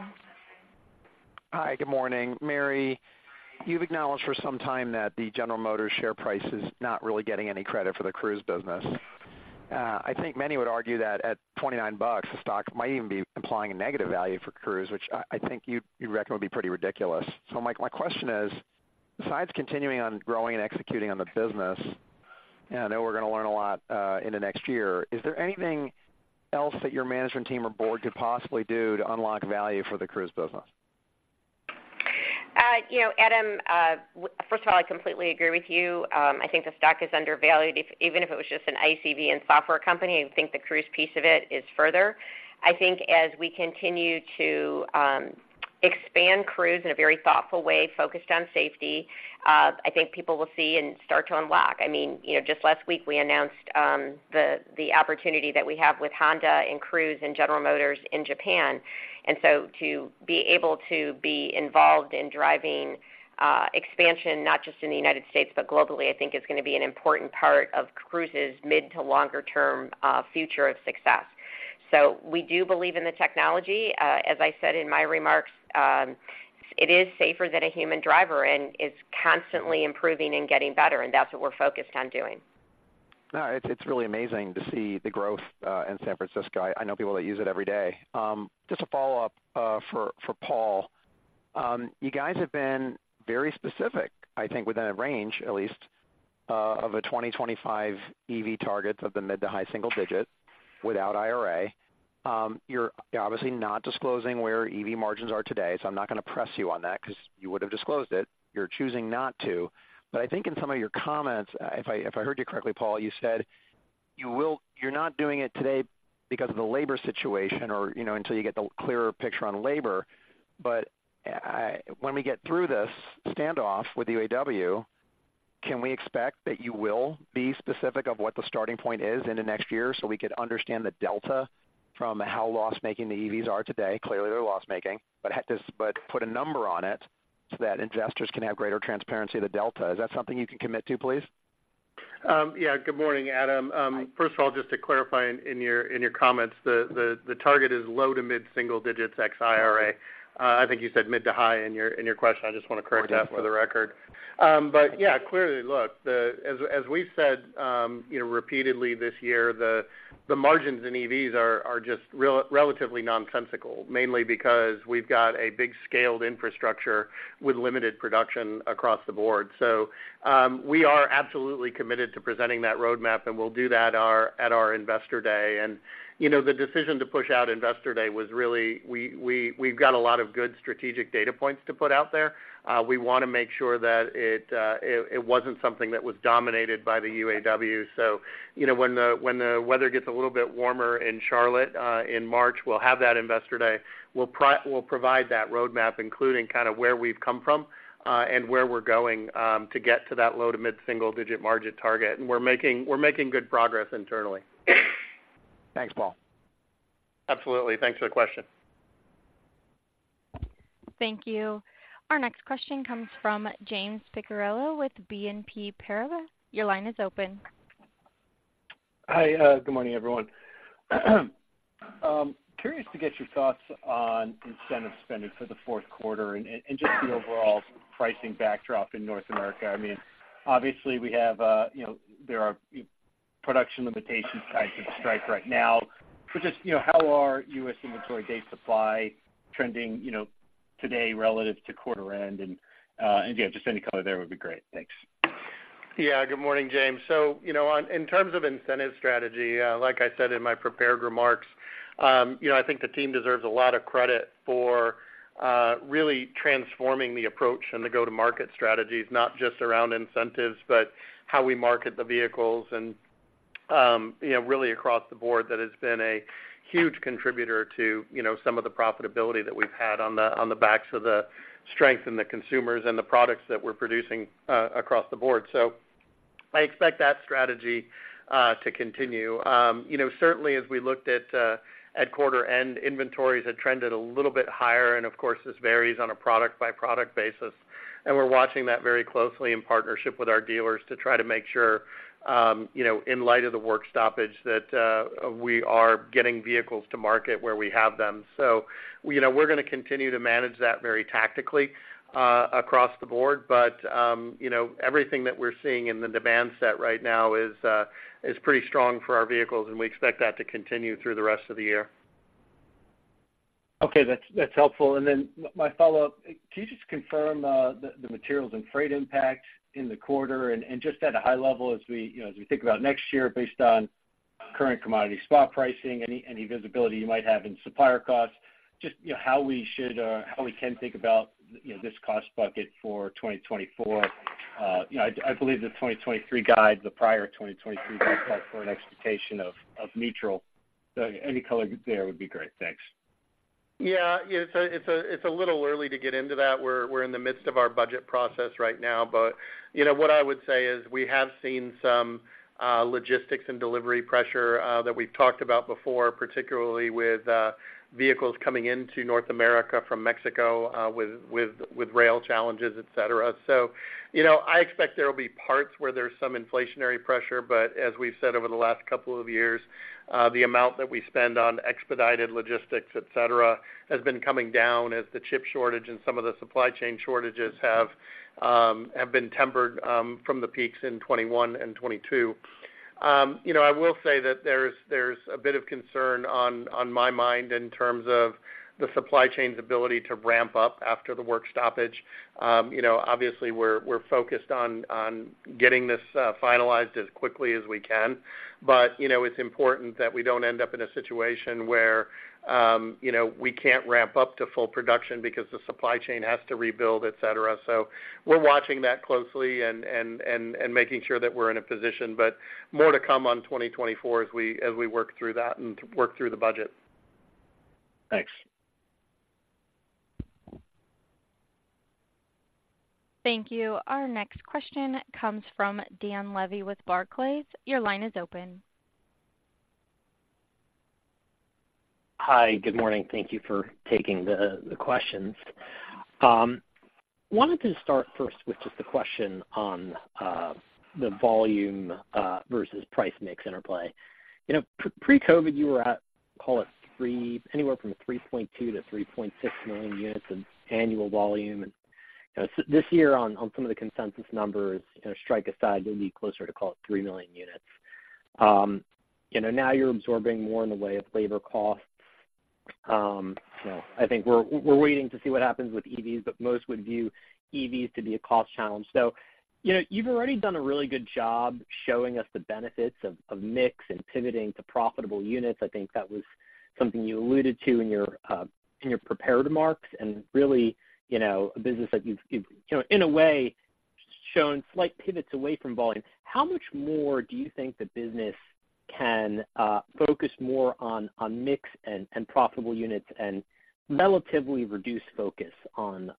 Hi, good morning. Mary, you've acknowledged for some time that the General Motors share price is not really getting any credit for the Cruise business. I think many would argue that at $29, the stock might even be implying a negative value for Cruise, which I, I think you'd, you'd reckon would be pretty ridiculous. So my, my question is, besides continuing on growing and executing on the business, and I know we're going to learn a lot, in the next year, is there anything else that your management team or board could possibly do to unlock value for the Cruise business? You know, Adam, first of all, I completely agree with you. I think the stock is undervalued, even if it was just an ICV and software company. I think the Cruise piece of it is further. I think as we continue to expand Cruise in a very thoughtful way, focused on safety, I think people will see and start to unlock. I mean, you know, just last week, we announced the opportunity that we have with Honda and Cruise and General Motors in Japan. And so to be able to be involved in driving expansion, not just in the United States, but globally, I think is going to be an important part of Cruise's mid to longer term future of success. So we do believe in the technology. As I said in my remarks, it is safer than a human driver, and it's constantly improving and getting better, and that's what we're focused on doing. No, it's really amazing to see the growth in San Francisco. I know people that use it every day. Just a follow-up for Paul. You guys have been very specific, I think, within a range, at least, of a 2025 EV target of the mid to high single digit without IRA. You're obviously not disclosing where EV margins are today, so I'm not going to press you on that because you would have disclosed it. You're choosing not to. But I think in some of your comments, if I heard you correctly, Paul, you said you will you're not doing it today because of the labor situation or, you know, until you get the clearer picture on labor. When we get through this standoff with the UAW, can we expect that you will be specific of what the starting point is into next year so we could understand the delta from how loss-making the EVs are today? Clearly, they're loss-making, but put a number on it so that investors can have greater transparency of the delta. Is that something you can commit to, please? Yeah, good morning, Adam. Hi. First of all, just to clarify in your comments, the target is low to mid single digits ex IRA. I think you said mid to high in your question. I just want to correct that for the record. Correct. But yeah, clearly, look, the... As we said, you know, repeatedly this year, the margins in EVs are just relatively nonsensical, mainly because we've got a big scaled infrastructure with limited production across the board. So, we are absolutely committed to presenting that roadmap, and we'll do that at our Investor Day. You know, the decision to push out Investor Day was really, we've got a lot of good strategic data points to put out there. We want to make sure that it wasn't something that was dominated by the UAW. So you know, when the weather gets a little bit warmer in Charlotte, in March, we'll have that Investor Day. We'll provide that roadmap, including kind of where we've come from, and where we're going, to get to that low to mid-single-digit margin target. We're making, we're making good progress internally. Thanks, Paul. Absolutely. Thanks for the question. Thank you. Our next question comes from James Picariello with BNP Paribas. Your line is open. Hi, good morning, everyone. Curious to get your thoughts on incentive spending for the fourth quarter and, and just the overall pricing backdrop in North America. I mean, obviously, we have, you know, there are production limitations tied to the strike right now. But just, you know, how are U.S. inventory day supply trending, you know, today relative to quarter end? And, and, yeah, just any color there would be great. Thanks. Yeah. Good morning, James. So, you know, in terms of incentive strategy, like I said in my prepared remarks, you know, I think the team deserves a lot of credit for really transforming the approach and the go-to-market strategies, not just around incentives, but how we market the vehicles and, you know, really across the board, that has been a huge contributor to, you know, some of the profitability that we've had on the, on the backs of the strength in the consumers and the products that we're producing, across the board. So I expect that strategy to continue. You know, certainly as we looked at at quarter end, inventories had trended a little bit higher, and of course, this varies on a product-by-product basis. And we're watching that very closely in partnership with our dealers to try to make sure, you know, in light of the work stoppage, that we are getting vehicles to market where we have them. So, you know, we're going to continue to manage that very tactically across the board. But, you know, everything that we're seeing in the demand set right now is pretty strong for our vehicles, and we expect that to continue through the rest of the year. Okay, that's, that's helpful. Then my follow-up: Can you just confirm the materials and freight impact in the quarter and just at a high level, as we, you know, as we think about next year, based on current commodity spot pricing, any visibility you might have in supplier costs, just, you know, how we should how we can think about, you know, this cost bucket for 2024? You know, I believe the 2023 guide, the prior 2023 guide, had an expectation of neutral. So any color there would be great. Thanks. Yeah, it's a little early to get into that. We're in the midst of our budget process right now. But, you know, what I would say is we have seen some logistics and delivery pressure that we've talked about before, particularly with vehicles coming into North America from Mexico with rail challenges, etc. So, you know, I expect there will be parts where there's some inflationary pressure, but as we've said over the last couple of years, the amount that we spend on expedited logistics, etc, has been coming down as the chip shortage and some of the supply chain shortages have been tempered from the peaks in 2021 and 2022. You know, I will say that there's a bit of concern on my mind in terms of the supply chain's ability to ramp up after the work stoppage. You know, obviously, we're focused on getting this finalized as quickly as we can. But, you know, it's important that we don't end up in a situation where, you know, we can't ramp up to full production because the supply chain has to rebuild, etc. So we're watching that closely and making sure that we're in a position, but more to come on 2024 as we work through that and work through the budget. Thanks. Thank you. Our next question comes from Dan Levy with Barclays. Your line is open. Hi, good morning. Thank you for taking the questions. Wanted to start first with just a question on the volume versus price mix interplay. You know, pre-COVID, you were at, call it three, anywhere from 3.2 million to 3.6 million units in annual volume. And, you know, this year on some of the consensus numbers, you know, strike aside, you'll be closer to call it 3 million units. You know, now you're absorbing more in the way of labor costs. You know, I think we're waiting to see what happens with EVs, but most would view EVs to be a cost challenge. So, you know, you've already done a really good job showing us the benefits of mix and pivoting to profitable units. I think that was something you alluded to in your in your prepared remarks, and really, you know, a business that you've, you've, you know, in a way, shown slight pivots away from volume. How much more do you think the business can focus more on mix and profitable units and relatively reduce focus on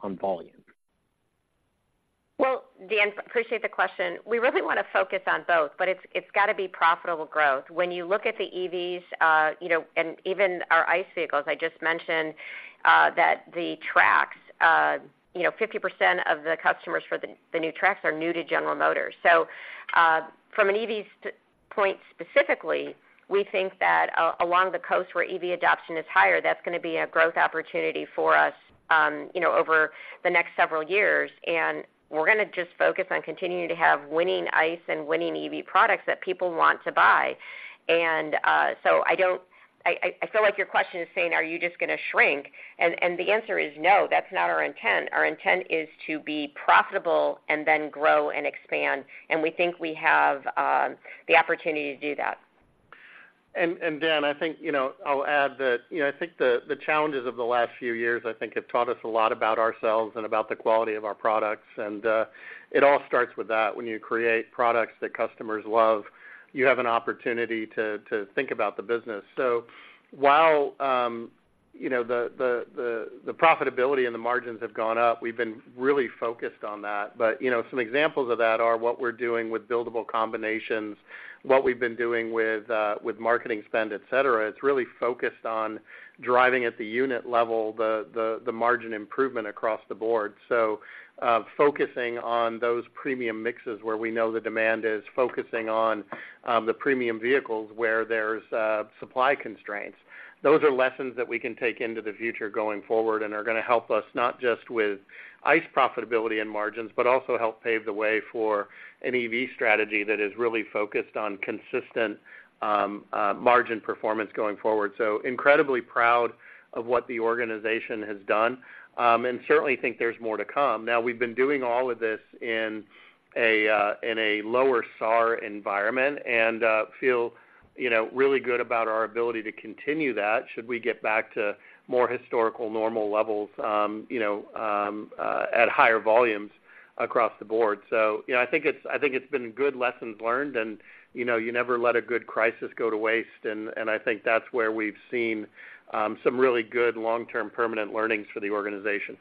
on volume? Well, Dan, appreciate the question. We really want to focus on both, but it's, it's got to be profitable growth. When you look at the EVs, you know, and even our ICE vehicles, I just mentioned, that the Trax, you know, 50% of the customers for the, the new Trax are new to General Motors. So, from an EV standpoint specifically, we think that along the coast where EV adoption is higher, that's going to be a growth opportunity for us, you know, over the next several years. And we're going to just focus on continuing to have winning ICE and winning EV products that people want to buy. And, so I don't... I, I, I feel like your question is saying, "Are you just going to shrink?" And, and the answer is no, that's not our intent. Our intent is to be profitable and then grow and expand, and we think we have the opportunity to do that. And Dan, I think, you know, I'll add that, you know, I think the challenges of the last few years, I think, have taught us a lot about ourselves and about the quality of our products. And it all starts with that. When you create products that customers love, you have an opportunity to think about the business. So while, you know, the profitability and the margins have gone up, we've been really focused on that. But, you know, some examples of that are what we're doing with buildable combinations, what we've been doing with marketing spend, etc. It's really focused on driving at the unit level, the margin improvement across the board. So focusing on those premium mixes where we know the demand is, focusing on the premium vehicles where there's supply constraints. Those are lessons that we can take into the future going forward and are going to help us not just with ICE profitability and margins, but also help pave the way for an EV strategy that is really focused on consistent, margin performance going forward. So incredibly proud of what the organization has done, and certainly think there's more to come. Now, we've been doing all of this in a in a lower SAAR environment and, feel, you know, really good about our ability to continue that should we get back to more historical normal levels, you know, at higher volumes across the board. So, you know, I think it's been good lessons learned, and, you know, you never let a good crisis go to waste. I think that's where we've seen some really good long-term permanent learnings for the organization.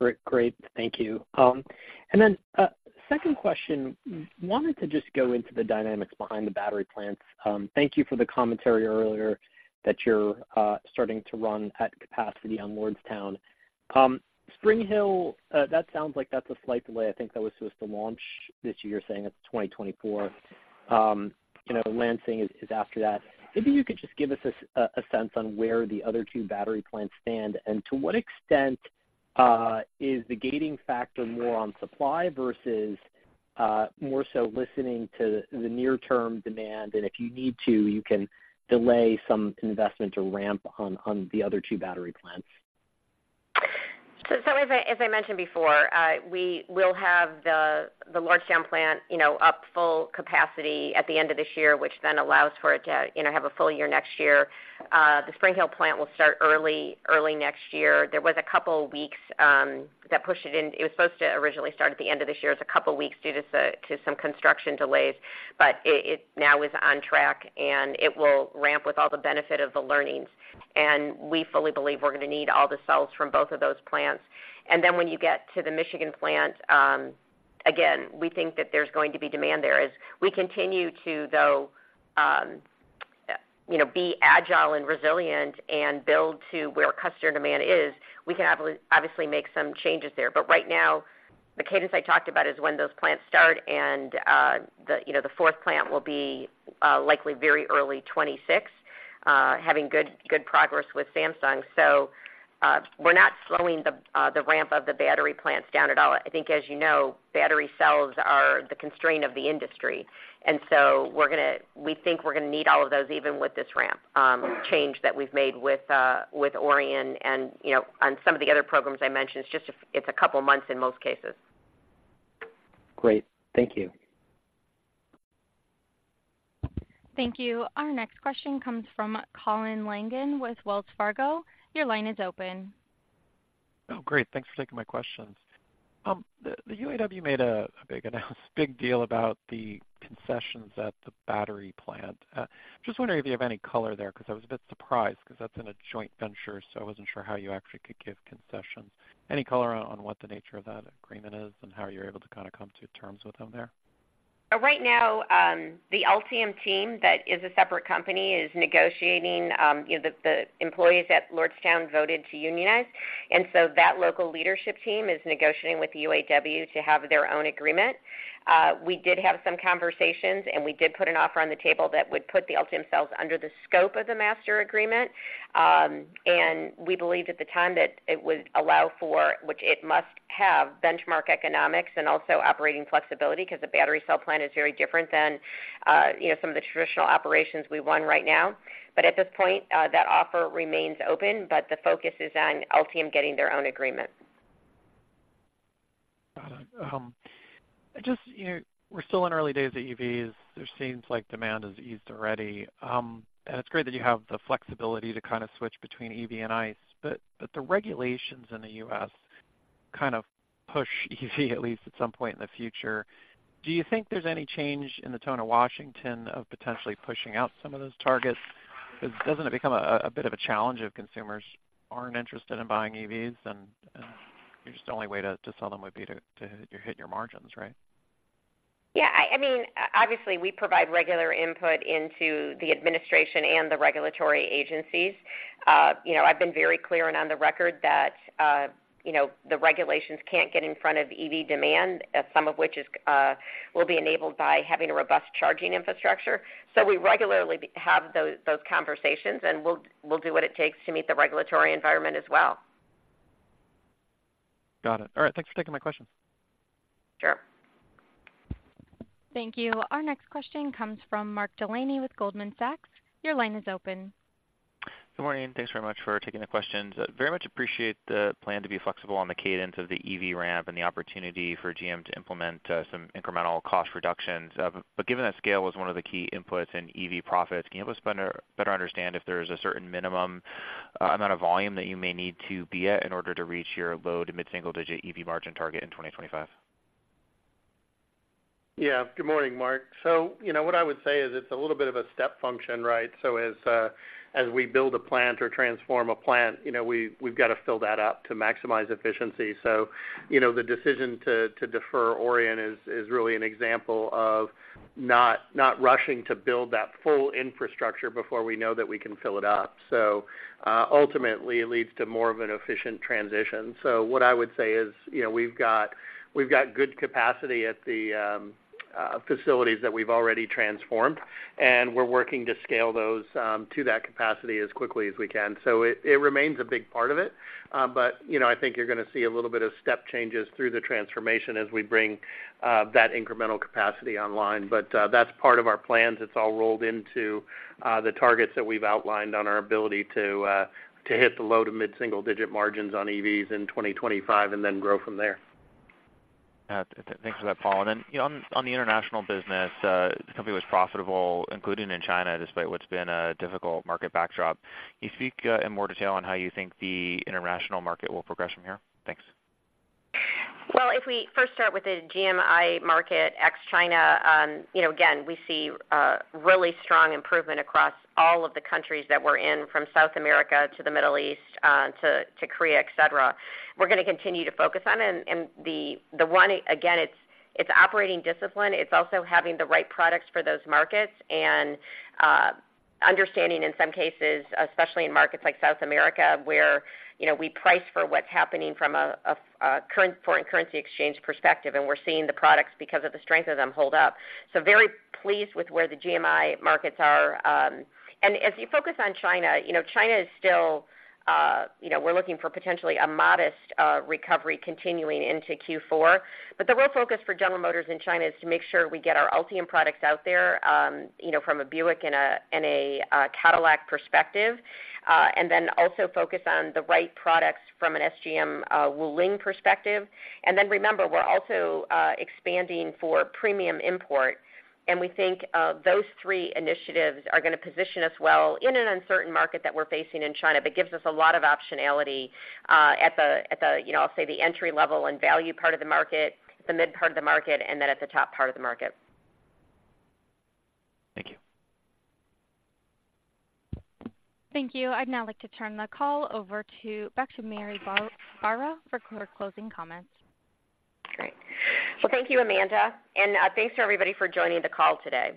Great. Great. Thank you. And then, second question, wanted to just go into the dynamics behind the battery plants. Thank you for the commentary earlier that you're starting to run at capacity on Lordstown. Spring Hill, that sounds like that's a slight delay. I think that was supposed to launch this year, saying it's 2024. You know, Lansing is after that. Maybe you could just give us a sense on where the other two battery plants stand, and to what extent is the gating factor more on supply versus more so listening to the near-term demand, and if you need to, you can delay some investment to ramp on the other two battery plants? So, as I mentioned before, we will have the Lordstown plant, you know, up full capacity at the end of this year, which then allows for it to, you know, have a full year next year. The Spring Hill plant will start early next year. There was a couple weeks that pushed it in. It was supposed to originally start at the end of this year. It's a couple of weeks due to some construction delays, but it now is on track, and it will ramp with all the benefit of the learnings. And we fully believe we're going to need all the cells from both of those plants. And then when you get to the Michigan plant, again, we think that there's going to be demand there. As we continue to, though, you know, be agile and resilient and build to where customer demand is, we can obviously make some changes there. But right now, the cadence I talked about is when those plants start and, you know, the fourth plant will be likely very early 2026, having good progress with Samsung. So, we're not slowing the ramp of the battery plants down at all. I think, as you know, battery cells are the constraint of the industry. And so we're going to. We think we're going to need all of those, even with this ramp, change that we've made with Orion and, you know, on some of the other programs I mentioned. It's just a couple of months in most cases. Great. Thank you. Thank you. Our next question comes from Colin Langan with Wells Fargo. Your line is open. Oh, great! Thanks for taking my questions. The UAW made a big announcement, big deal about the concessions at the battery plant. Just wondering if you have any color there, because I was a bit surprised, because that's in a joint venture, so I wasn't sure how you actually could give concessions. Any color on what the nature of that agreement is and how you're able to kind of come to terms with them there? Right now, the Ultium team, that is a separate company, is negotiating, you know, the employees at Lordstown voted to unionize, and so that local leadership team is negotiating with the UAW to have their own agreement. We did have some conversations, and we did put an offer on the table that would put the Ultium Cells under the scope of the master agreement. And we believed at the time that it would allow for which it must have benchmark economics and also operating flexibility, 'cause the battery cell plant is very different than, you know, some of the traditional operations we run right now. But at this point, that offer remains open, but the focus is on Ultium getting their own agreement. Got it. Just, you know, we're still in early days of EVs. There seems like demand has eased already. It's great that you have the flexibility to kind of switch between EV and ICE, but the regulations in the U.S. kind of push EV, at least at some point in the future. Do you think there's any change in the tone of Washington of potentially pushing out some of those targets? Because doesn't it become a bit of a challenge if consumers aren't interested in buying EVs, and you're just the only way to sell them would be to hit your margins, right? Yeah, I mean, obviously, we provide regular input into the administration and the regulatory agencies. You know, I've been very clear and on the record that, you know, the regulations can't get in front of EV demand, some of which will be enabled by having a robust charging infrastructure. So we regularly have those conversations, and we'll do what it takes to meet the regulatory environment as well. Got it. All right, thanks for taking my questions. Sure. Thank you. Our next question comes from Mark Delaney with Goldman Sachs. Your line is open. Good morning. Thanks very much for taking the questions. I very much appreciate the plan to be flexible on the cadence of the EV ramp and the opportunity for GM to implement some incremental cost reductions. But given that scale was one of the key inputs in EV profits, can you help us better understand if there's a certain minimum amount of volume that you may need to be at in order to reach your low- to mid-single-digit EV margin target in 2025? Yeah. Good morning, Mark. So, you know, what I would say is it's a little bit of a step function, right? So as we build a plant or transform a plant, you know, we, we've got to fill that up to maximize efficiency. So, you know, the decision to defer Orion is really an example of not rushing to build that full infrastructure before we know that we can fill it up. So ultimately, it leads to more of an efficient transition. So what I would say is, you know, we've got good capacity at the facilities that we've already transformed, and we're working to scale those to that capacity as quickly as we can. So it remains a big part of it. But, you know, I think you're going to see a little bit of step changes through the transformation as we bring that incremental capacity online. But, that's part of our plans. It's all rolled into the targets that we've outlined on our ability to hit the low- to mid-single-digit margins on EVs in 2025 and then grow from there. Thanks for that, Paul. Then, you know, on the international business, the company was profitable, including in China, despite what's been a difficult market backdrop. Can you speak in more detail on how you think the international market will progress from here? Thanks. Well, if we first start with the GMI market, ex-China, you know, again, we see really strong improvement across all of the countries that we're in, from South America to the Middle East, to Korea, etc. We're going to continue to focus on it. And the one, again, it's operating discipline. It's also having the right products for those markets and understanding, in some cases, especially in markets like South America, where, you know, we price for what's happening from a foreign currency exchange perspective, and we're seeing the products because of the strength of them hold up. So very pleased with where the GMI markets are. And as you focus on China, you know, China is still... You know, we're looking for potentially a modest recovery continuing into Q4. But the real focus for General Motors in China is to make sure we get our Ultium products out there, you know, from a Buick and a Cadillac perspective, and then also focus on the right products from an SGM Wuling perspective. And then remember, we're also expanding for premium import, and we think those three initiatives are going to position us well in an uncertain market that we're facing in China. But it gives us a lot of optionality, you know, I'll say the entry-level and value part of the market, the mid part of the market, and then at the top part of the market. Thank you. Thank you. I'd now like to turn the call back over to Mary Barra for her closing comments. Great. Well, thank you, Amanda, and thanks to everybody for joining the call today.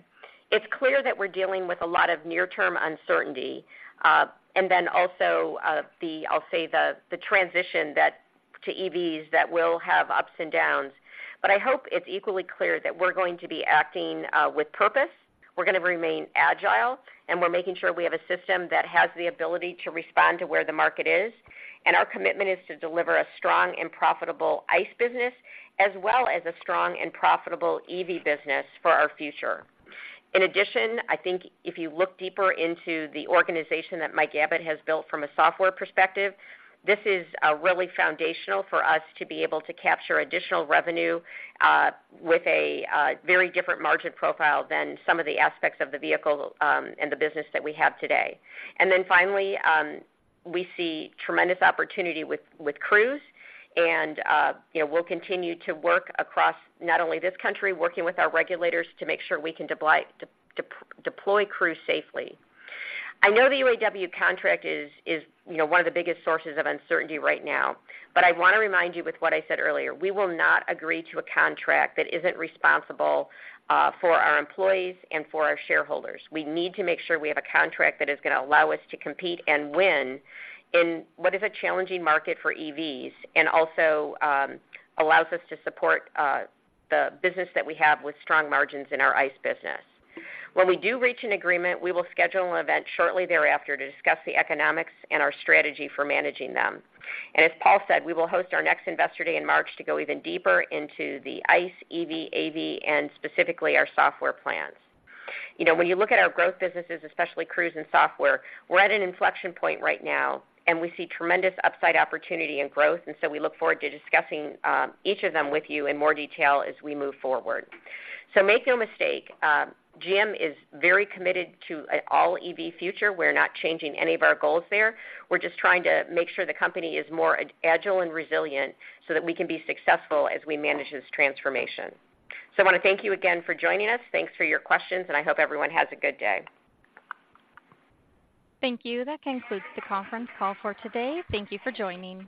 It's clear that we're dealing with a lot of near-term uncertainty, and then also the transition to EVs that will have ups and downs. But I hope it's equally clear that we're going to be acting with purpose, we're going to remain agile, and we're making sure we have a system that has the ability to respond to where the market is. And our commitment is to deliver a strong and profitable ICE business, as well as a strong and profitable EV business for our future. In addition, I think if you look deeper into the organization that Mike Abbott has built from a software perspective, this is really foundational for us to be able to capture additional revenue with a very different margin profile than some of the aspects of the vehicle and the business that we have today. And then finally, we see tremendous opportunity with Cruise, and you know, we'll continue to work across not only this country, working with our regulators to make sure we can deploy Cruise safely. I know the UAW contract is you know, one of the biggest sources of uncertainty right now, but I want to remind you with what I said earlier, we will not agree to a contract that isn't responsible for our employees and for our shareholders. We need to make sure we have a contract that is going to allow us to compete and win in what is a challenging market for EVs, and also, allows us to support, the business that we have with strong margins in our ICE business. When we do reach an agreement, we will schedule an event shortly thereafter to discuss the economics and our strategy for managing them. And as Paul said, we will host our next Investor Day in March to go even deeper into the ICE, EV, AV, and specifically our software plans. You know, when you look at our growth businesses, especially Cruise and software, we're at an inflection point right now, and we see tremendous upside opportunity and growth, and so we look forward to discussing each of them with you in more detail as we move forward. So make no mistake, GM is very committed to an all-EV future. We're not changing any of our goals there. We're just trying to make sure the company is more agile and resilient so that we can be successful as we manage this transformation. So I want to thank you again for joining us. Thanks for your questions, and I hope everyone has a good day. Thank you. That concludes the conference call for today. Thank you for joining.